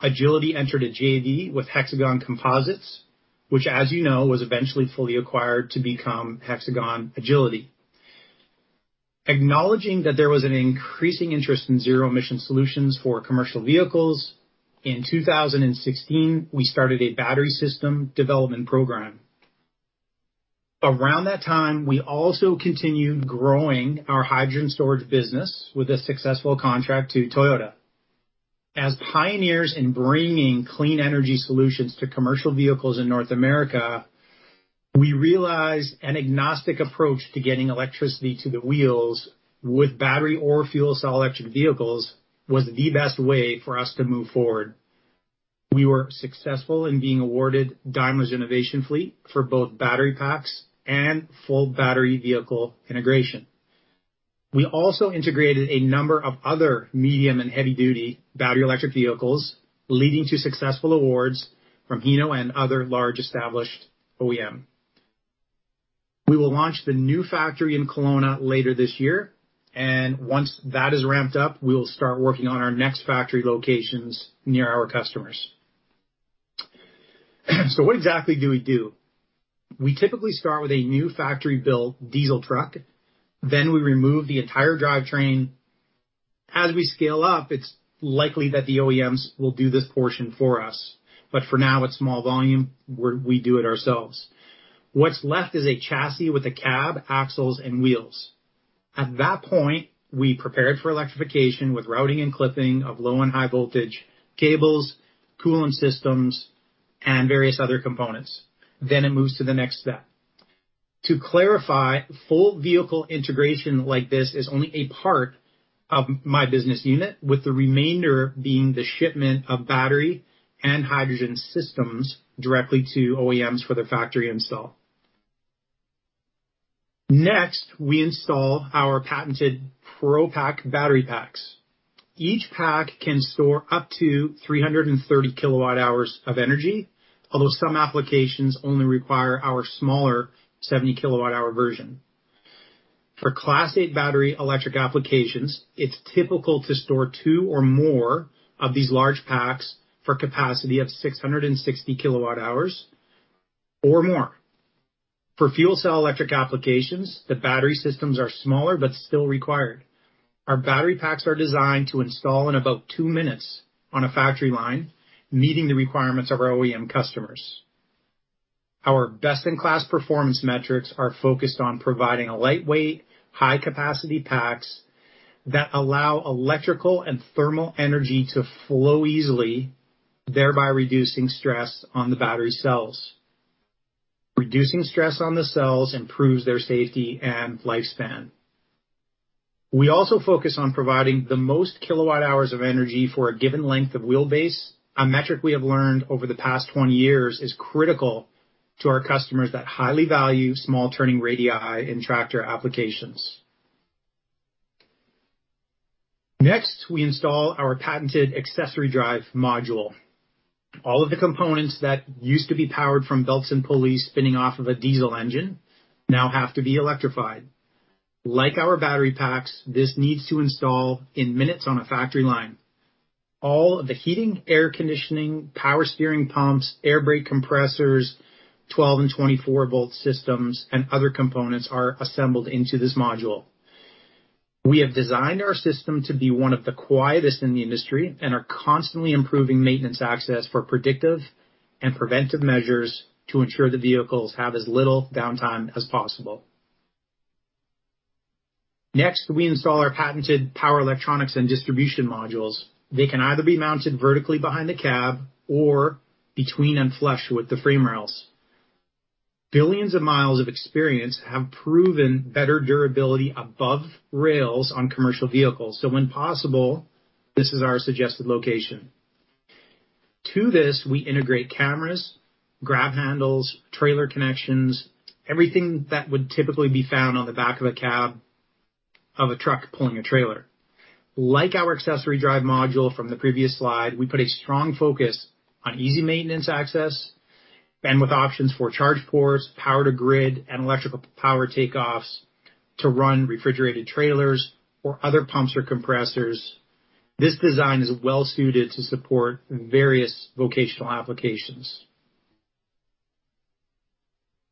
S5: Agility entered a JV with Hexagon Composites, which, as you know, was eventually fully acquired to become Hexagon Agility. Acknowledging that there was an increasing interest in zero-emission solutions for commercial vehicles, in 2016, we started a battery system development program. Around that time, we also continued growing our hydrogen storage business with a successful contract to PACCAR. As pioneers in bringing clean energy solutions to commercial vehicles in North America, we realized an agnostic approach to getting electricity to the wheels with battery or fuel cell electric vehicles was the best way for us to move forward. We were successful in being awarded Daimler's Innovation Fleet for both battery packs and full battery vehicle integration. We also integrated a number of other medium and heavy-duty battery electric vehicles, leading to successful awards from Hino and other large established OEM. We will launch the new factory in Kelowna later this year, and once that is ramped up, we will start working on our next factory locations near our customers. What exactly do we do? We typically start with a new factory-built diesel truck, then we remove the entire drivetrain. As we scale up, it's likely that the OEMs will do this portion for us, but for now, it's small volume, we do it ourselves. What's left is a chassis with a cab, axles, and wheels. At that point, we prepare it for electrification with routing and clipping of low and high voltage cables, coolant systems, and various other components. It moves to the next step. To clarify, full vehicle integration like this is only a part of my business unit, with the remainder being the shipment of battery and hydrogen systems directly to OEMs for the factory install. Next, we install our patented ProPack battery packs. Each pack can store up to 330 kWh of energy, although some applications only require our smaller 70 kWh version. For Class 8 battery electric applications, it's typical to store two or more of these large packs for capacity of 660 kWh or more. For fuel cell electric applications, the battery systems are smaller but still required. Our battery packs are designed to install in about two minutes on a factory line, meeting the requirements of our OEM customers. Our best-in-class performance metrics are focused on providing a lightweight, high-capacity packs that allow electrical and thermal energy to flow easily, thereby reducing stress on the battery cells. Reducing stress on the cells improves their safety and lifespan. We also focus on providing the most kilowatt-hours of energy for a given length of wheelbase. A metric we have learned over the past 20 years is critical to our customers that highly value small turning radii in tractor applications. Next, we install our patented accessory drive module. All of the components that used to be powered from belts and pulleys spinning off of a diesel engine now have to be electrified. Like our battery packs, this needs to install in minutes on a factory line. All of the heating, air conditioning, power steering pumps, air brake compressors, 12 and 24 volt systems, and other components are assembled into this module. We have designed our system to be one of the quietest in the industry and are constantly improving maintenance access for predictive and preventive measures to ensure the vehicles have as little downtime as possible. Next, we install our patented power electronics and distribution modules. They can either be mounted vertically behind the cab or between and flush with the frame rails. Billions of miles of experience have proven better durability above rails on commercial vehicles. When possible, this is our suggested location. To this, we integrate cameras, grab handles, trailer connections, everything that would typically be found on the back of a cab of a truck pulling a trailer. Like our accessory drive module from the previous slide, we put a strong focus on easy maintenance access and with options for charge ports, power to grid, and electrical power takeoffs to run refrigerated trailers or other pumps or compressors. This design is well suited to support various vocational applications.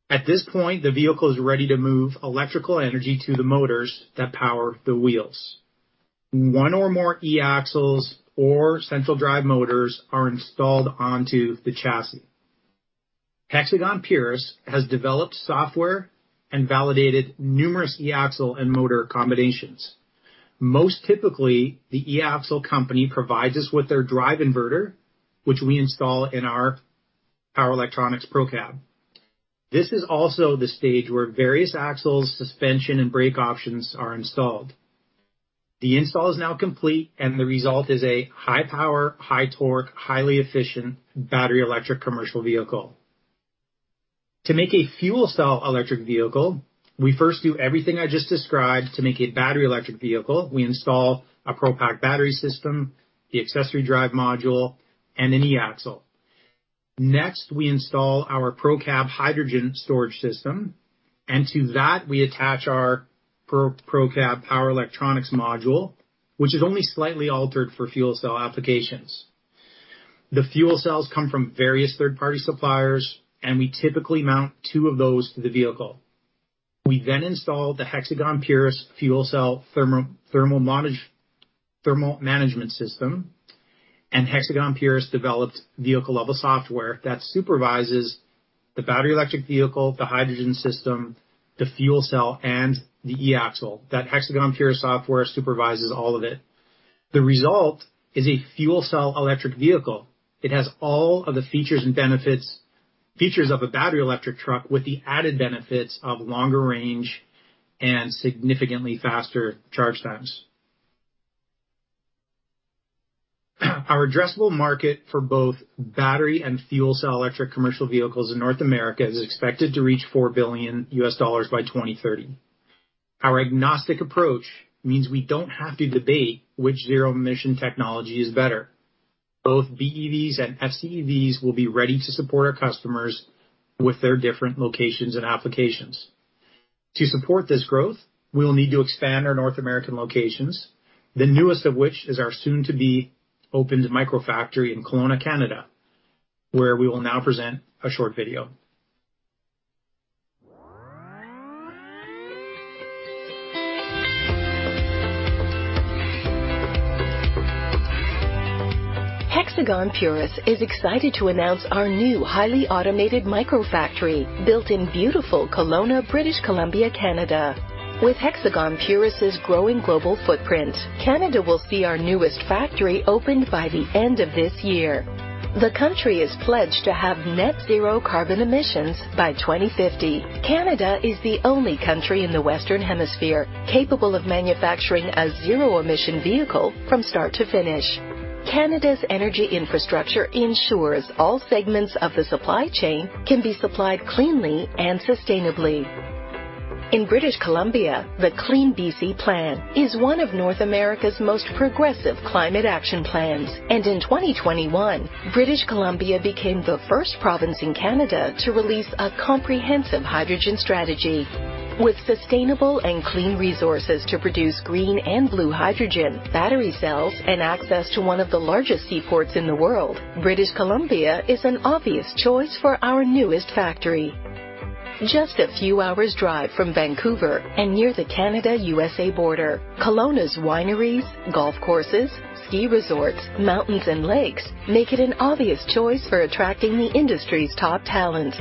S5: At this point, the vehicle is ready to move electrical energy to the motors that power the wheels. One or more eAxles or central drive motors are installed onto the chassis. Hexagon Purus has developed software and validated numerous eAxle and motor combinations. Most typically, the eAxle company provides us with their drive inverter, which we install in our power electronics ProCab. This is also the stage where various axles, suspension, and brake options are installed. The install is now complete, and the result is a high power, high torque, highly efficient battery electric commercial vehicle. To make a fuel cell electric vehicle, we first do everything I just described to make a battery electric vehicle. We install a ProPack battery system, the accessory drive module, and an eAxle. Next, we install our ProCab hydrogen storage system. To that, we attach our ProPack power electronics module, which is only slightly altered for fuel cell applications. The fuel cells come from various third-party suppliers, and we typically mount two of those to the vehicle. We then install the Hexagon Purus fuel cell thermal management system, and Hexagon Purus developed vehicle level software that supervises the battery electric vehicle, the hydrogen system, the fuel cell, and the eAxle. That Hexagon Purus software supervises all of it. The result is a fuel cell electric vehicle. It has all of the features and benefits of a battery electric truck with the added benefits of longer range and significantly faster charge times. Our addressable market for both battery and fuel cell electric commercial vehicles in North America is expected to reach $4 billion by 2030. Our agnostic approach means we don't have to debate which zero-emission technology is better. Both BEVs and FCEVs will be ready to support our customers with their different locations and applications. To support this growth, we will need to expand our North American locations, the newest of which is our soon to be opened micro-factory in Kelowna, Canada, where we will now present a short video.
S6: Hexagon Purus is excited to announce our new highly automated micro-factory built in beautiful Kelowna, British Columbia, Canada. With Hexagon Purus' growing global footprint, Canada will see our newest factory opened by the end of this year. The country has pledged to have net zero carbon emissions by 2050. Canada is the only country in the Western Hemisphere capable of manufacturing a zero-emission vehicle from start to finish. Canada's energy infrastructure ensures all segments of the supply chain can be supplied cleanly and sustainably. In British Columbia, the CleanBC Plan is one of North America's most progressive climate action plans. In 2021, British Columbia became the first province in Canada to release a comprehensive hydrogen strategy. With sustainable and clean resources to produce green and blue hydrogen, battery cells, and access to one of the largest seaports in the world, British Columbia is an obvious choice for our newest factory. Just a few hours drive from Vancouver and near the Canada-USA border, Kelowna's wineries, golf courses, ski resorts, mountains, and lakes make it an obvious choice for attracting the industry's top talent.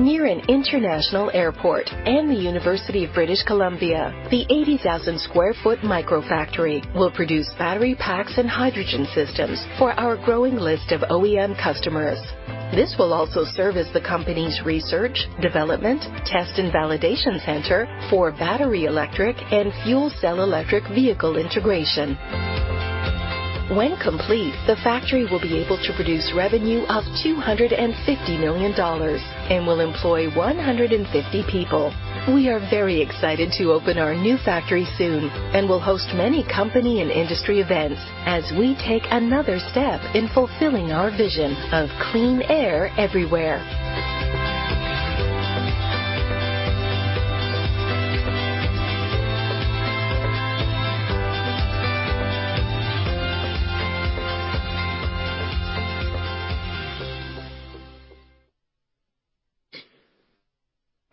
S6: Near an international airport and the University of British Columbia, the 80,000 sq ft micro-factory will produce battery packs and hydrogen systems for our growing list of OEM customers. This will also serve as the company's research, development, test, and validation center for battery electric and fuel cell electric vehicle integration. When complete, the factory will be able to produce revenue of $250 million and will employ 150 people. We are very excited to open our new factory soon and will host many company and industry events as we take another step in fulfilling our vision of clean air everywhere.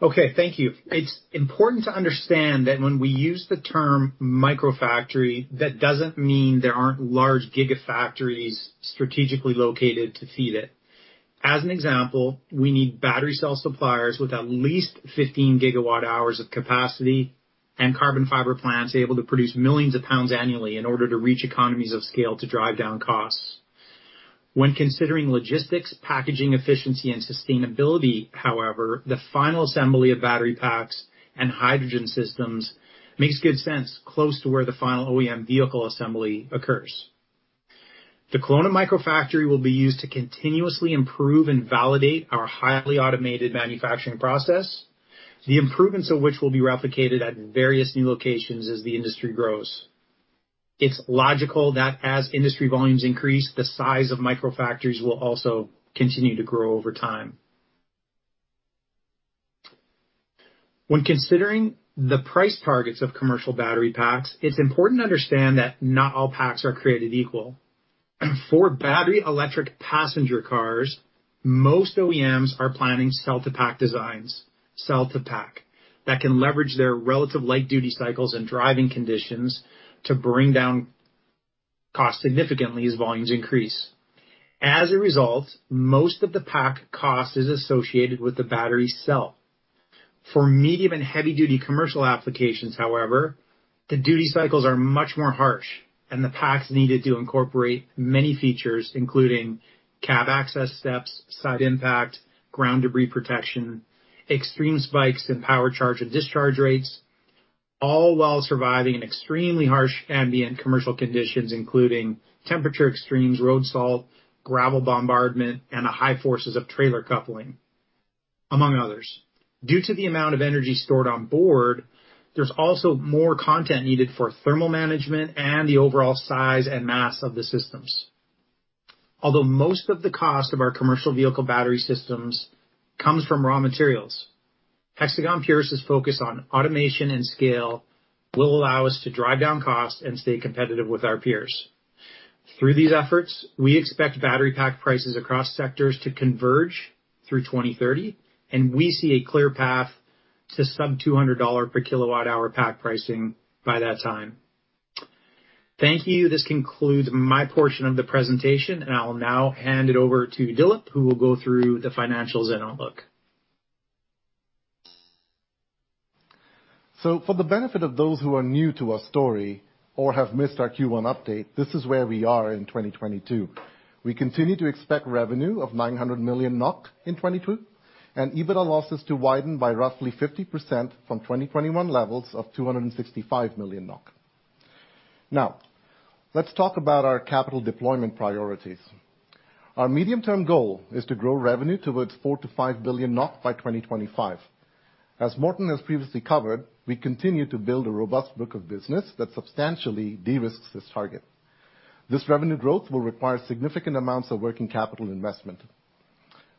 S5: Okay. Thank you. It's important to understand that when we use the term micro-factory, that doesn't mean there aren't large gigafactories strategically located to feed it. As an example, we need battery cell suppliers with at least 15 GWh of capacity and carbon fiber plants able to produce millions of pounds annually in order to reach economies of scale to drive down costs. When considering logistics, packaging, efficiency, and sustainability, however, the final assembly of battery packs and hydrogen systems makes good sense close to where the final OEM vehicle assembly occurs. The Kelowna micro-factory will be used to continuously improve and validate our highly automated manufacturing process, the improvements of which will be replicated at various new locations as the industry grows. It's logical that as industry volumes increase, the size of micro-factories will also continue to grow over time. When considering the price targets of commercial battery packs, it's important to understand that not all packs are created equal. For battery electric passenger cars, most OEMs are planning cell-to-pack designs, cell-to-pack that can leverage their relative light duty cycles and driving conditions to bring down costs significantly as volumes increase. As a result, most of the pack cost is associated with the battery cell. For medium and heavy duty commercial applications, however, the duty cycles are much more harsh and the packs needed to incorporate many features, including cab access steps, side impact, ground debris protection, extreme spikes in power charge, and discharge rates, all while surviving in extremely harsh ambient commercial conditions, including temperature extremes, road salt, gravel bombardment, and the high forces of trailer coupling, among others. Due to the amount of energy stored on board, there's also more content needed for thermal management and the overall size and mass of the systems. Although most of the cost of our commercial vehicle battery systems comes from raw materials, Hexagon Purus' focus on automation and scale will allow us to drive down costs and stay competitive with our peers. Through these efforts, we expect battery pack prices across sectors to converge through 2030, and we see a clear path to sub-$200 per kWh pack pricing by that time. Thank you. This concludes my portion of the presentation, and I will now hand it over to Dilip, who will go through the financials and outlook.
S3: For the benefit of those who are new to our story or have missed our Q1 update, this is where we are in 2022. We continue to expect revenue of 900 million NOK in 2022 and EBITDA losses to widen by roughly 50% from 2021 levels of 265 million NOK. Now, let's talk about our capital deployment priorities. Our medium-term goal is to grow revenue towards 4 billion-5 billion by 2025. As Morten has previously covered, we continue to build a robust book of business that substantially de-risks this target. This revenue growth will require significant amounts of working capital investment.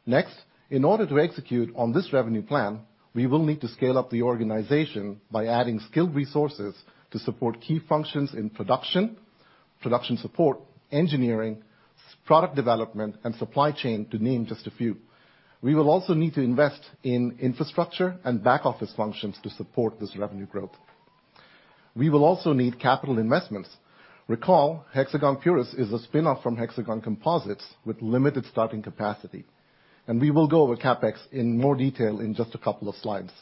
S3: Next, in order to execute on this revenue plan, we will need to scale up the organization by adding skilled resources to support key functions in production support, engineering, product development, and supply chain, to name just a few. We will also need to invest in infrastructure and back-office functions to support this revenue growth. We will also need capital investments. Recall, Hexagon Purus is a spin-off from Hexagon Composites with limited starting capacity, and we will go over CapEx in more detail in just a couple of slides.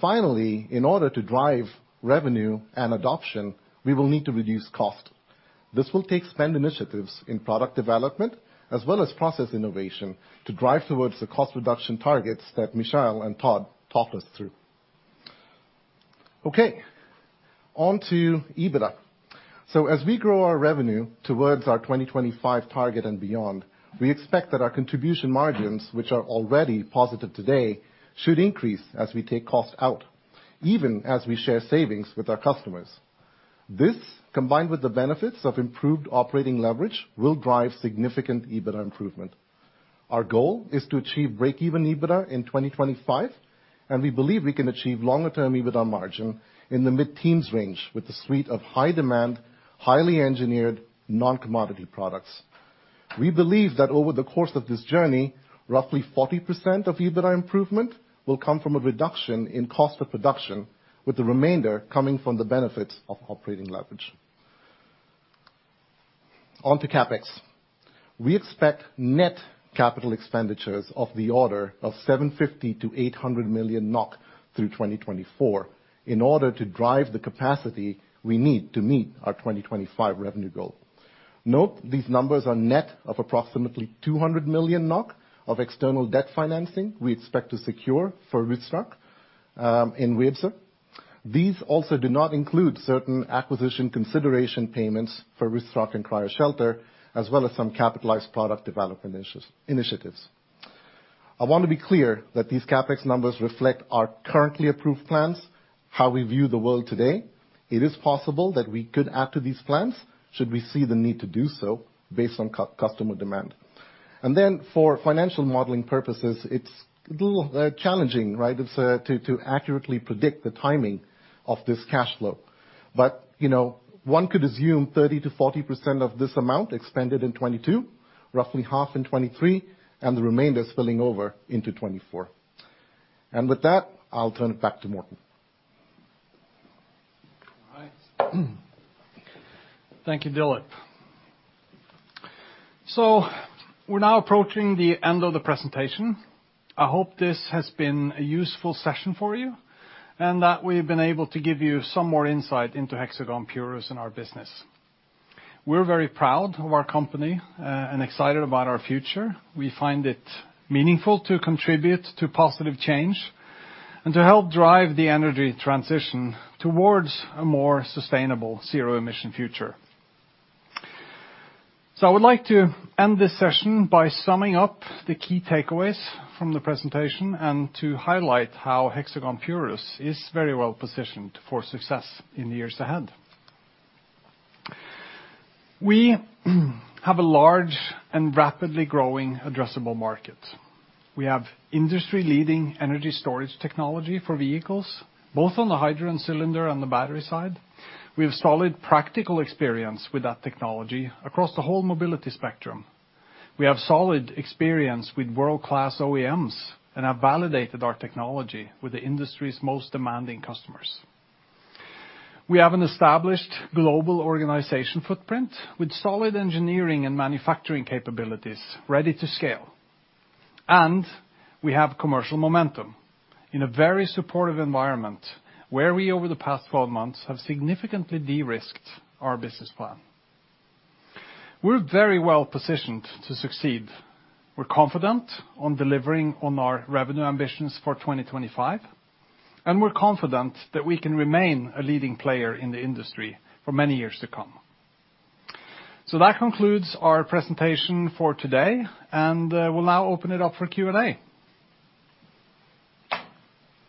S3: Finally, in order to drive revenue and adoption, we will need to reduce cost. This will take spend initiatives in product development as well as process innovation to drive towards the cost reduction targets that Michael and Todd talked us through. Okay, on to EBITDA. As we grow our revenue towards our 2025 target and beyond, we expect that our contribution margins, which are already positive today, should increase as we take costs out, even as we share savings with our customers. This, combined with the benefits of improved operating leverage, will drive significant EBITDA improvement. Our goal is to achieve break-even EBITDA in 2025, and we believe we can achieve longer-term EBITDA margin in the mid-teens range with a suite of high demand, highly engineered, non-commodity products. We believe that over the course of this journey, roughly 40% of EBITDA improvement will come from a reduction in cost of production, with the remainder coming from the benefits of operating leverage. On to CapEx. We expect net capital expenditures of the order of 750 million-800 million NOK through 2024 in order to drive the capacity we need to meet our 2025 revenue goal. Note, these numbers are net of approximately 200 million NOK of external debt financing we expect to secure for Wystrach in Weeze. These also do not include certain acquisition consideration payments for Wystrach and Cryoshelter, as well as some capitalized product development initiatives. I want to be clear that these CapEx numbers reflect our currently approved plans, how we view the world today. It is possible that we could add to these plans should we see the need to do so based on customer demand. For financial modeling purposes, it's a little challenging, right, to accurately predict the timing of this cash flow. You know, one could assume 30%-40% of this amount expended in 2022, roughly half in 2023, and the remainder spilling over into 2024. With that, I'll turn it back to Morten.
S2: All right. Thank you, Dilip. We're now approaching the end of the presentation. I hope this has been a useful session for you and that we've been able to give you some more insight into Hexagon Purus and our business. We're very proud of our company and excited about our future. We find it meaningful to contribute to positive change and to help drive the energy transition towards a more sustainable zero-emission future. I would like to end this session by summing up the key takeaways from the presentation and to highlight how Hexagon Purus is very well-positioned for success in the years ahead. We have a large and rapidly growing addressable market. We have industry-leading energy storage technology for vehicles, both on the hydrogen cylinder and the battery side. We have solid practical experience with that technology across the whole mobility spectrum. We have solid experience with world-class OEMs and have validated our technology with the industry's most demanding customers. We have an established global organization footprint with solid engineering and manufacturing capabilities ready to scale. We have commercial momentum in a very supportive environment where we, over the past 12 months, have significantly de-risked our business plan. We're very well-positioned to succeed. We're confident on delivering on our revenue ambitions for 2025, and we're confident that we can remain a leading player in the industry for many years to come. That concludes our presentation for today, and we'll now open it up for Q&A.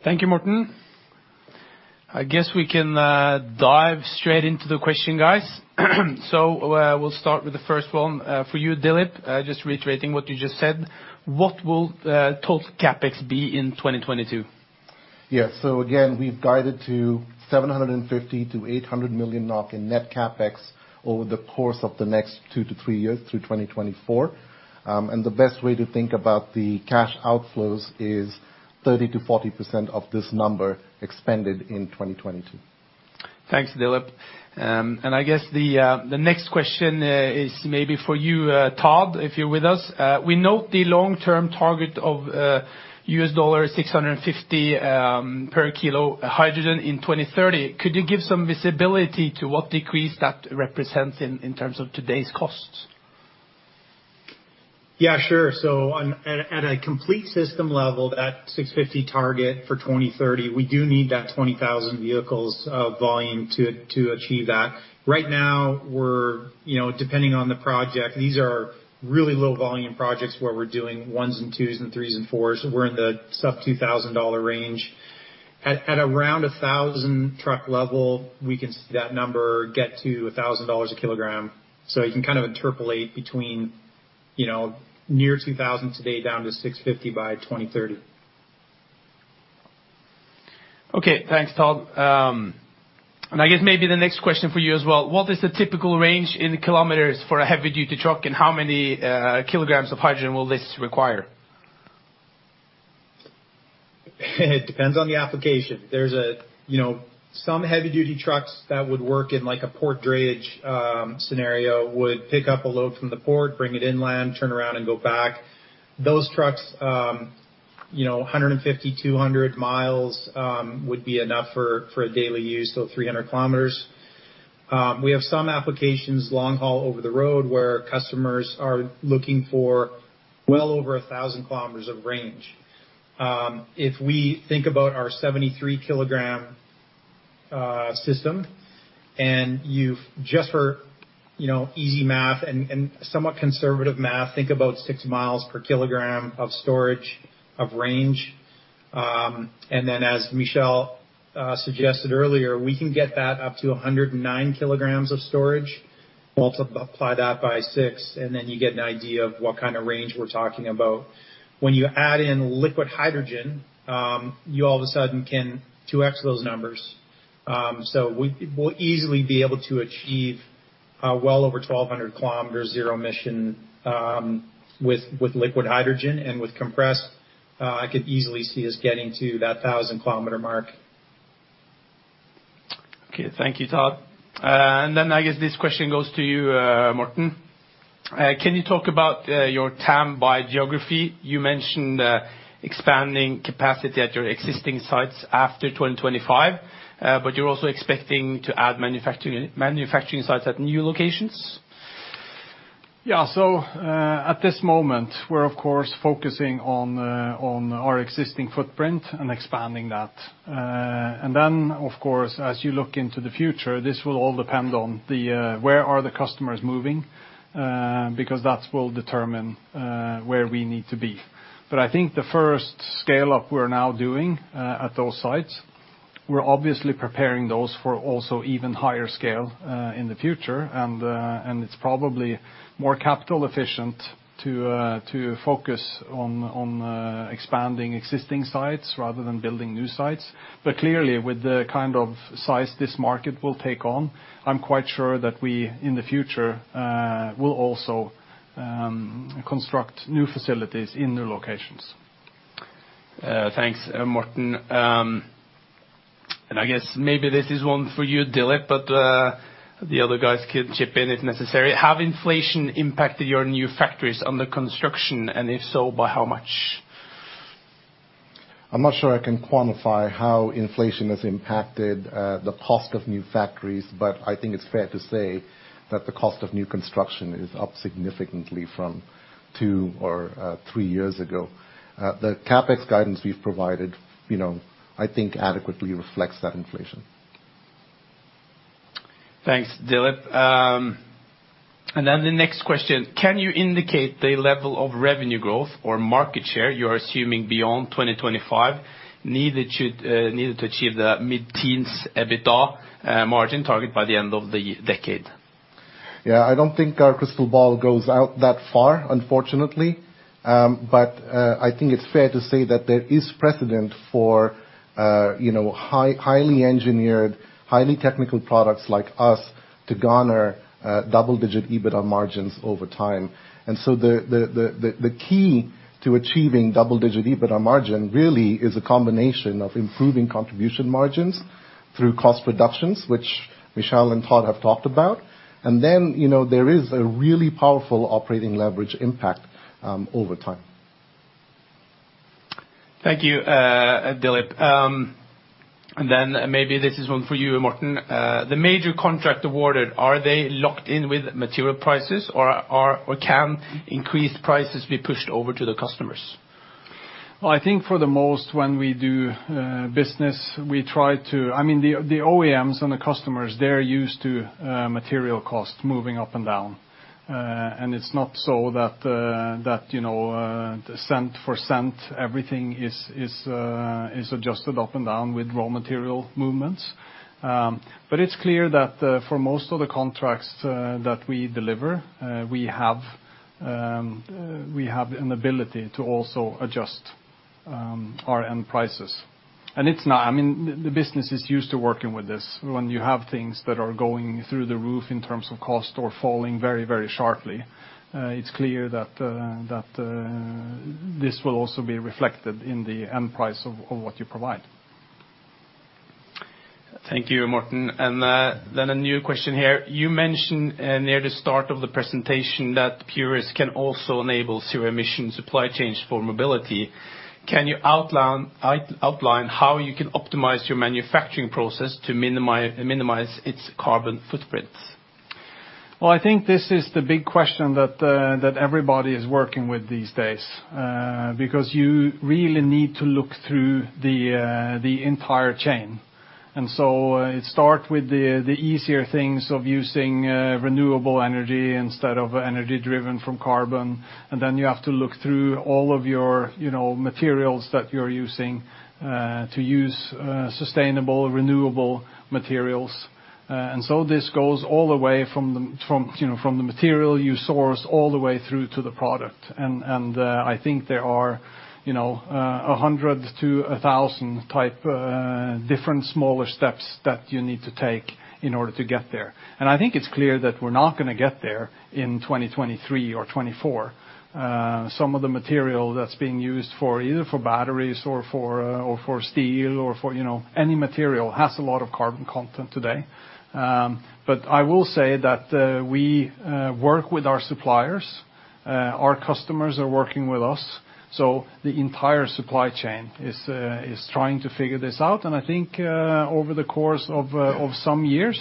S1: Thank you, Morten. I guess we can dive straight into the question, guys. We'll start with the first one, for you, Dilip, just reiterating what you just said. What will total CapEx be in 2022?
S3: Again, we've guided to 750 million-800 million NOK in net CapEx over the course of the next two to three years through 2024. The best way to think about the cash outflows is 30%-40% of this number expended in 2022.
S1: Thanks, Dilip. I guess the next question is maybe for you, Todd, if you're with us. We note the long-term target of $650/kg hydrogen in 2030. Could you give some visibility to what decrease that represents in terms of today's costs?
S5: Yeah, sure. At a complete system level, that $650 target for 2030, we do need that 20,000 vehicles of volume to achieve that. Right now, we're, you know, depending on the project, these are really low volume projects where we're doing 1s and 2s and 3s and 4s. We're in the sub-$2,000 range. At around a 1,000 truck level, we can see that number get to $1,000/kg. You can kind of interpolate between, you know, near $2,000 today down to $650 by 2030.
S1: Okay. Thanks, Todd. I guess maybe the next question for you as well, what is the typical range in kilometers for a heavy-duty truck, and how many kilograms of hydrogen will this require?
S5: It depends on the application. There's you know some heavy-duty trucks that would work in like a port drayage scenario would pick up a load from the port, bring it inland, turn around, and go back. Those trucks you know 150 mi-200 mi would be enough for a daily use so 300 km. We have some applications long-haul over the road where customers are looking for well over 1,000 km of range. If we think about our 73 kg system and you just for you know easy math and somewhat conservative math think about 6 mi/kg of storage of range. And then as Michael suggested earlier we can get that up to 109 kg of storage. Multiply that by six, and then you get an idea of what kind of range we're talking about. When you add in liquid hydrogen, you all of a sudden can 2x those numbers. We'll easily be able to achieve well over 1,200 km zero-emission with liquid hydrogen and with compressed. I could easily see us getting to that 1,000 km mark.
S1: Okay. Thank you, Todd. I guess this question goes to you, Morten. Can you talk about your TAM by geography? You mentioned expanding capacity at your existing sites after 2025, but you're also expecting to add manufacturing sites at new locations.
S2: Yeah. At this moment we're of course focusing on our existing footprint and expanding that. Of course, as you look into the future, this will all depend on where the customers are moving, because that will determine where we need to be. I think the first scale-up we're now doing at those sites, we're obviously preparing those for also even higher scale in the future. It's probably more capital efficient to focus on expanding existing sites rather than building new sites. Clearly, with the kind of size this market will take on, I'm quite sure that we in the future will also construct new facilities in new locations.
S1: Thanks, Morten. I guess maybe this is one for you, Dilip, but the other guys can chip in if necessary. Have inflation impacted your new factories under construction, and if so, by how much?
S3: I'm not sure I can quantify how inflation has impacted the cost of new factories. I think it's fair to say that the cost of new construction is up significantly from two or three years ago. The CapEx guidance we've provided, you know, I think adequately reflects that inflation.
S1: Thanks, Dilip. The next question: Can you indicate the level of revenue growth or market share you're assuming beyond 2025 needed to achieve the mid-teens EBITDA margin target by the end of the decade?
S3: Yeah. I don't think our crystal ball goes out that far, unfortunately. I think it's fair to say that there is precedent for, you know, highly engineered, highly technical products like us to garner double-digit EBITDA margins over time. The key to achieving double-digit EBITDA margin really is a combination of improving contribution margins through cost reductions, which Michael and Todd have talked about. You know, there is a really powerful operating leverage impact over time.
S1: Thank you, Dilip. Maybe this is one for you, Morten. The major contract awarded, are they locked in with material prices, or can increased prices be pushed over to the customers?
S2: Well, I think for the most, when we do business, we try to. I mean, the OEMs and the customers, they're used to material costs moving up and down. It's not so that, you know, cent for cent everything is adjusted up and down with raw material movements. It's clear that for most of the contracts that we deliver, we have an ability to also adjust our end prices. It's not. I mean, the business is used to working with this. When you have things that are going through the roof in terms of cost or falling very, very sharply, it's clear that this will also be reflected in the end price of what you provide.
S1: Thank you, Morten. A new question here: You mentioned near the start of the presentation that Purus can also enable zero-emission supply chains for mobility. Can you outline how you can optimize your manufacturing process to minimize its carbon footprint?
S2: Well, I think this is the big question that everybody is working with these days. Because you really need to look through the entire chain. It starts with the easier things of using renewable energy instead of energy derived from carbon. You have to look through all of your, you know, materials that you're using to use sustainable, renewable materials. This goes all the way from, you know, the material you source all the way through to the product. I think there are, you know, 100-1,000 types of different smaller steps that you need to take in order to get there. I think it's clear that we're not gonna get there in 2023 or 2024. Some of the material that's being used for either batteries or steel or, you know, any material has a lot of carbon content today. I will say that we work with our suppliers. Our customers are working with us. The entire supply chain is trying to figure this out. I think over the course of some years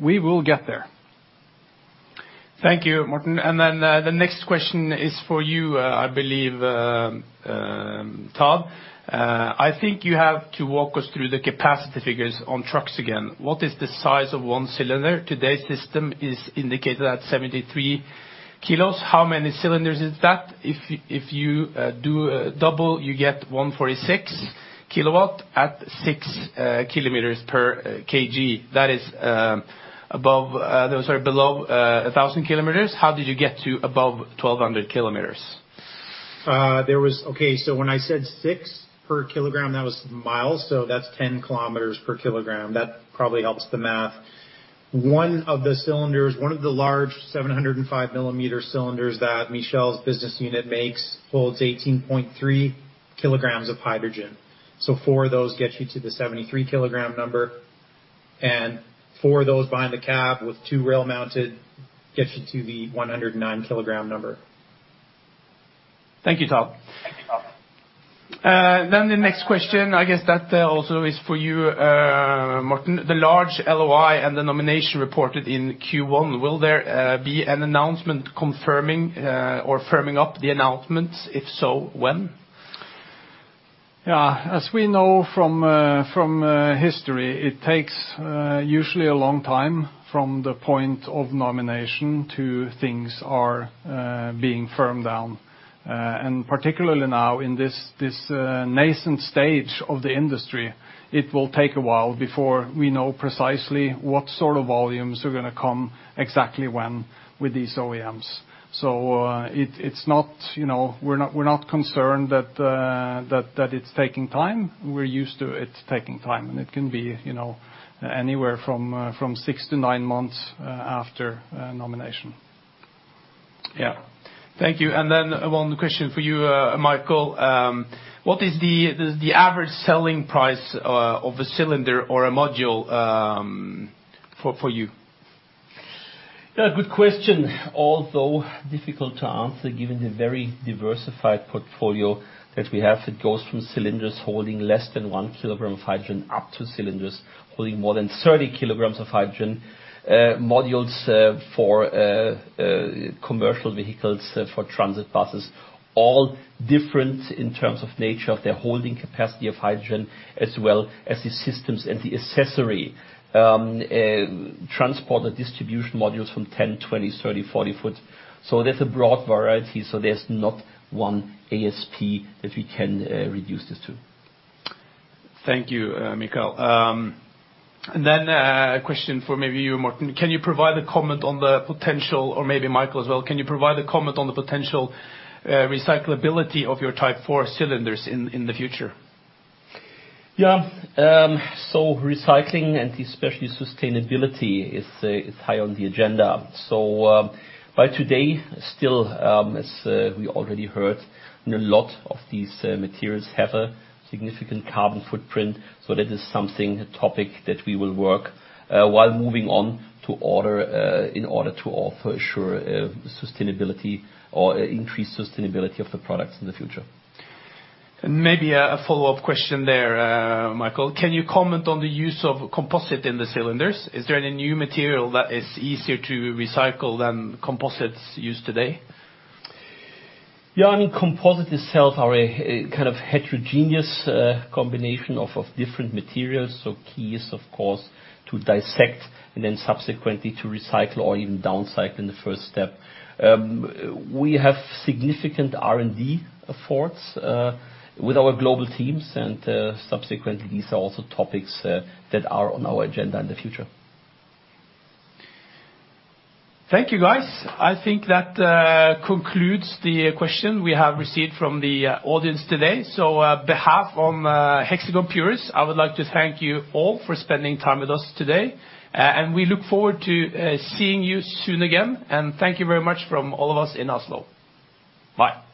S2: we will get there.
S1: Thank you, Morten. The next question is for you, I believe, Todd. I think you have to walk us through the capacity figures on trucks again. What is the size of one cylinder? Today's system is indicated at 73 kg. How many cylinders is that? If you double, you get 146 kg at 6 km/kg. That is below 1,000 km. How did you get to above 1,200 km?
S5: When I said 6/kg, that was miles, so that's 10 km/kg. That probably helps the math. One of the cylinders, one of the large 705 mm cylinders that Michael's business unit makes holds 18.3 kg of hydrogen. Four of those get you to the 73 kg number. Four of those behind the cab with two rail mounted gets you to the 109 kg number.
S1: Thank you, Todd. The next question, I guess that, also is for you, Morten. The large LOI and the nomination reported in Q1, will there be an announcement confirming or firming up the announcements? If so, when?
S2: As we know from history, it takes usually a long time from the point of nomination to things are being firmed down. Particularly now in this nascent stage of the industry, it will take a while before we know precisely what sort of volumes are gonna come exactly when with these OEMs. It's not, you know. We're not concerned that it's taking time. We're used to it taking time, and it can be, you know, anywhere from six to nine months after nomination.
S1: Yeah. Thank you. One question for you, Michael. What is the average selling price of a cylinder or a module for you?
S4: Yeah, good question, although difficult to answer given the very diversified portfolio that we have. It goes from cylinders holding less than 1 kg of hydrogen up to cylinders holding more than 30 kg of hydrogen. Modules for commercial vehicles for transit buses, all different in terms of nature of their holding capacity of hydrogen, as well as the systems and the accessory transport and distribution modules from 10-foot, 20-foot, 30-foot, 40-foot. There's a broad variety, so there's not one ASP that we can reduce this to.
S1: Thank you, Michael. A question for maybe you, Morten. Maybe Michael as well, can you provide a comment on the potential recyclability of your Type 4 cylinders in the future?
S4: Yeah. Recycling and especially sustainability is high on the agenda. To date, still, as we already heard, a lot of these materials have a significant carbon footprint, so that is something, a topic that we will work in order to offer more sustainability or increased sustainability of the products in the future.
S1: Maybe a follow-up question there, Michael. Can you comment on the use of composite in the cylinders? Is there any new material that is easier to recycle than composites used today?
S4: I mean, composite itself are a kind of heterogeneous combination of different materials. Key is, of course, to dissect and then subsequently to recycle or even downcycle in the first step. We have significant R&D efforts with our global teams and subsequently these are also topics that are on our agenda in the future.
S1: Thank you, guys. I think that concludes the question we have received from the audience today. On behalf of Hexagon Purus, I would like to thank you all for spending time with us today, and we look forward to seeing you soon again, and thank you very much from all of us in Oslo. Bye.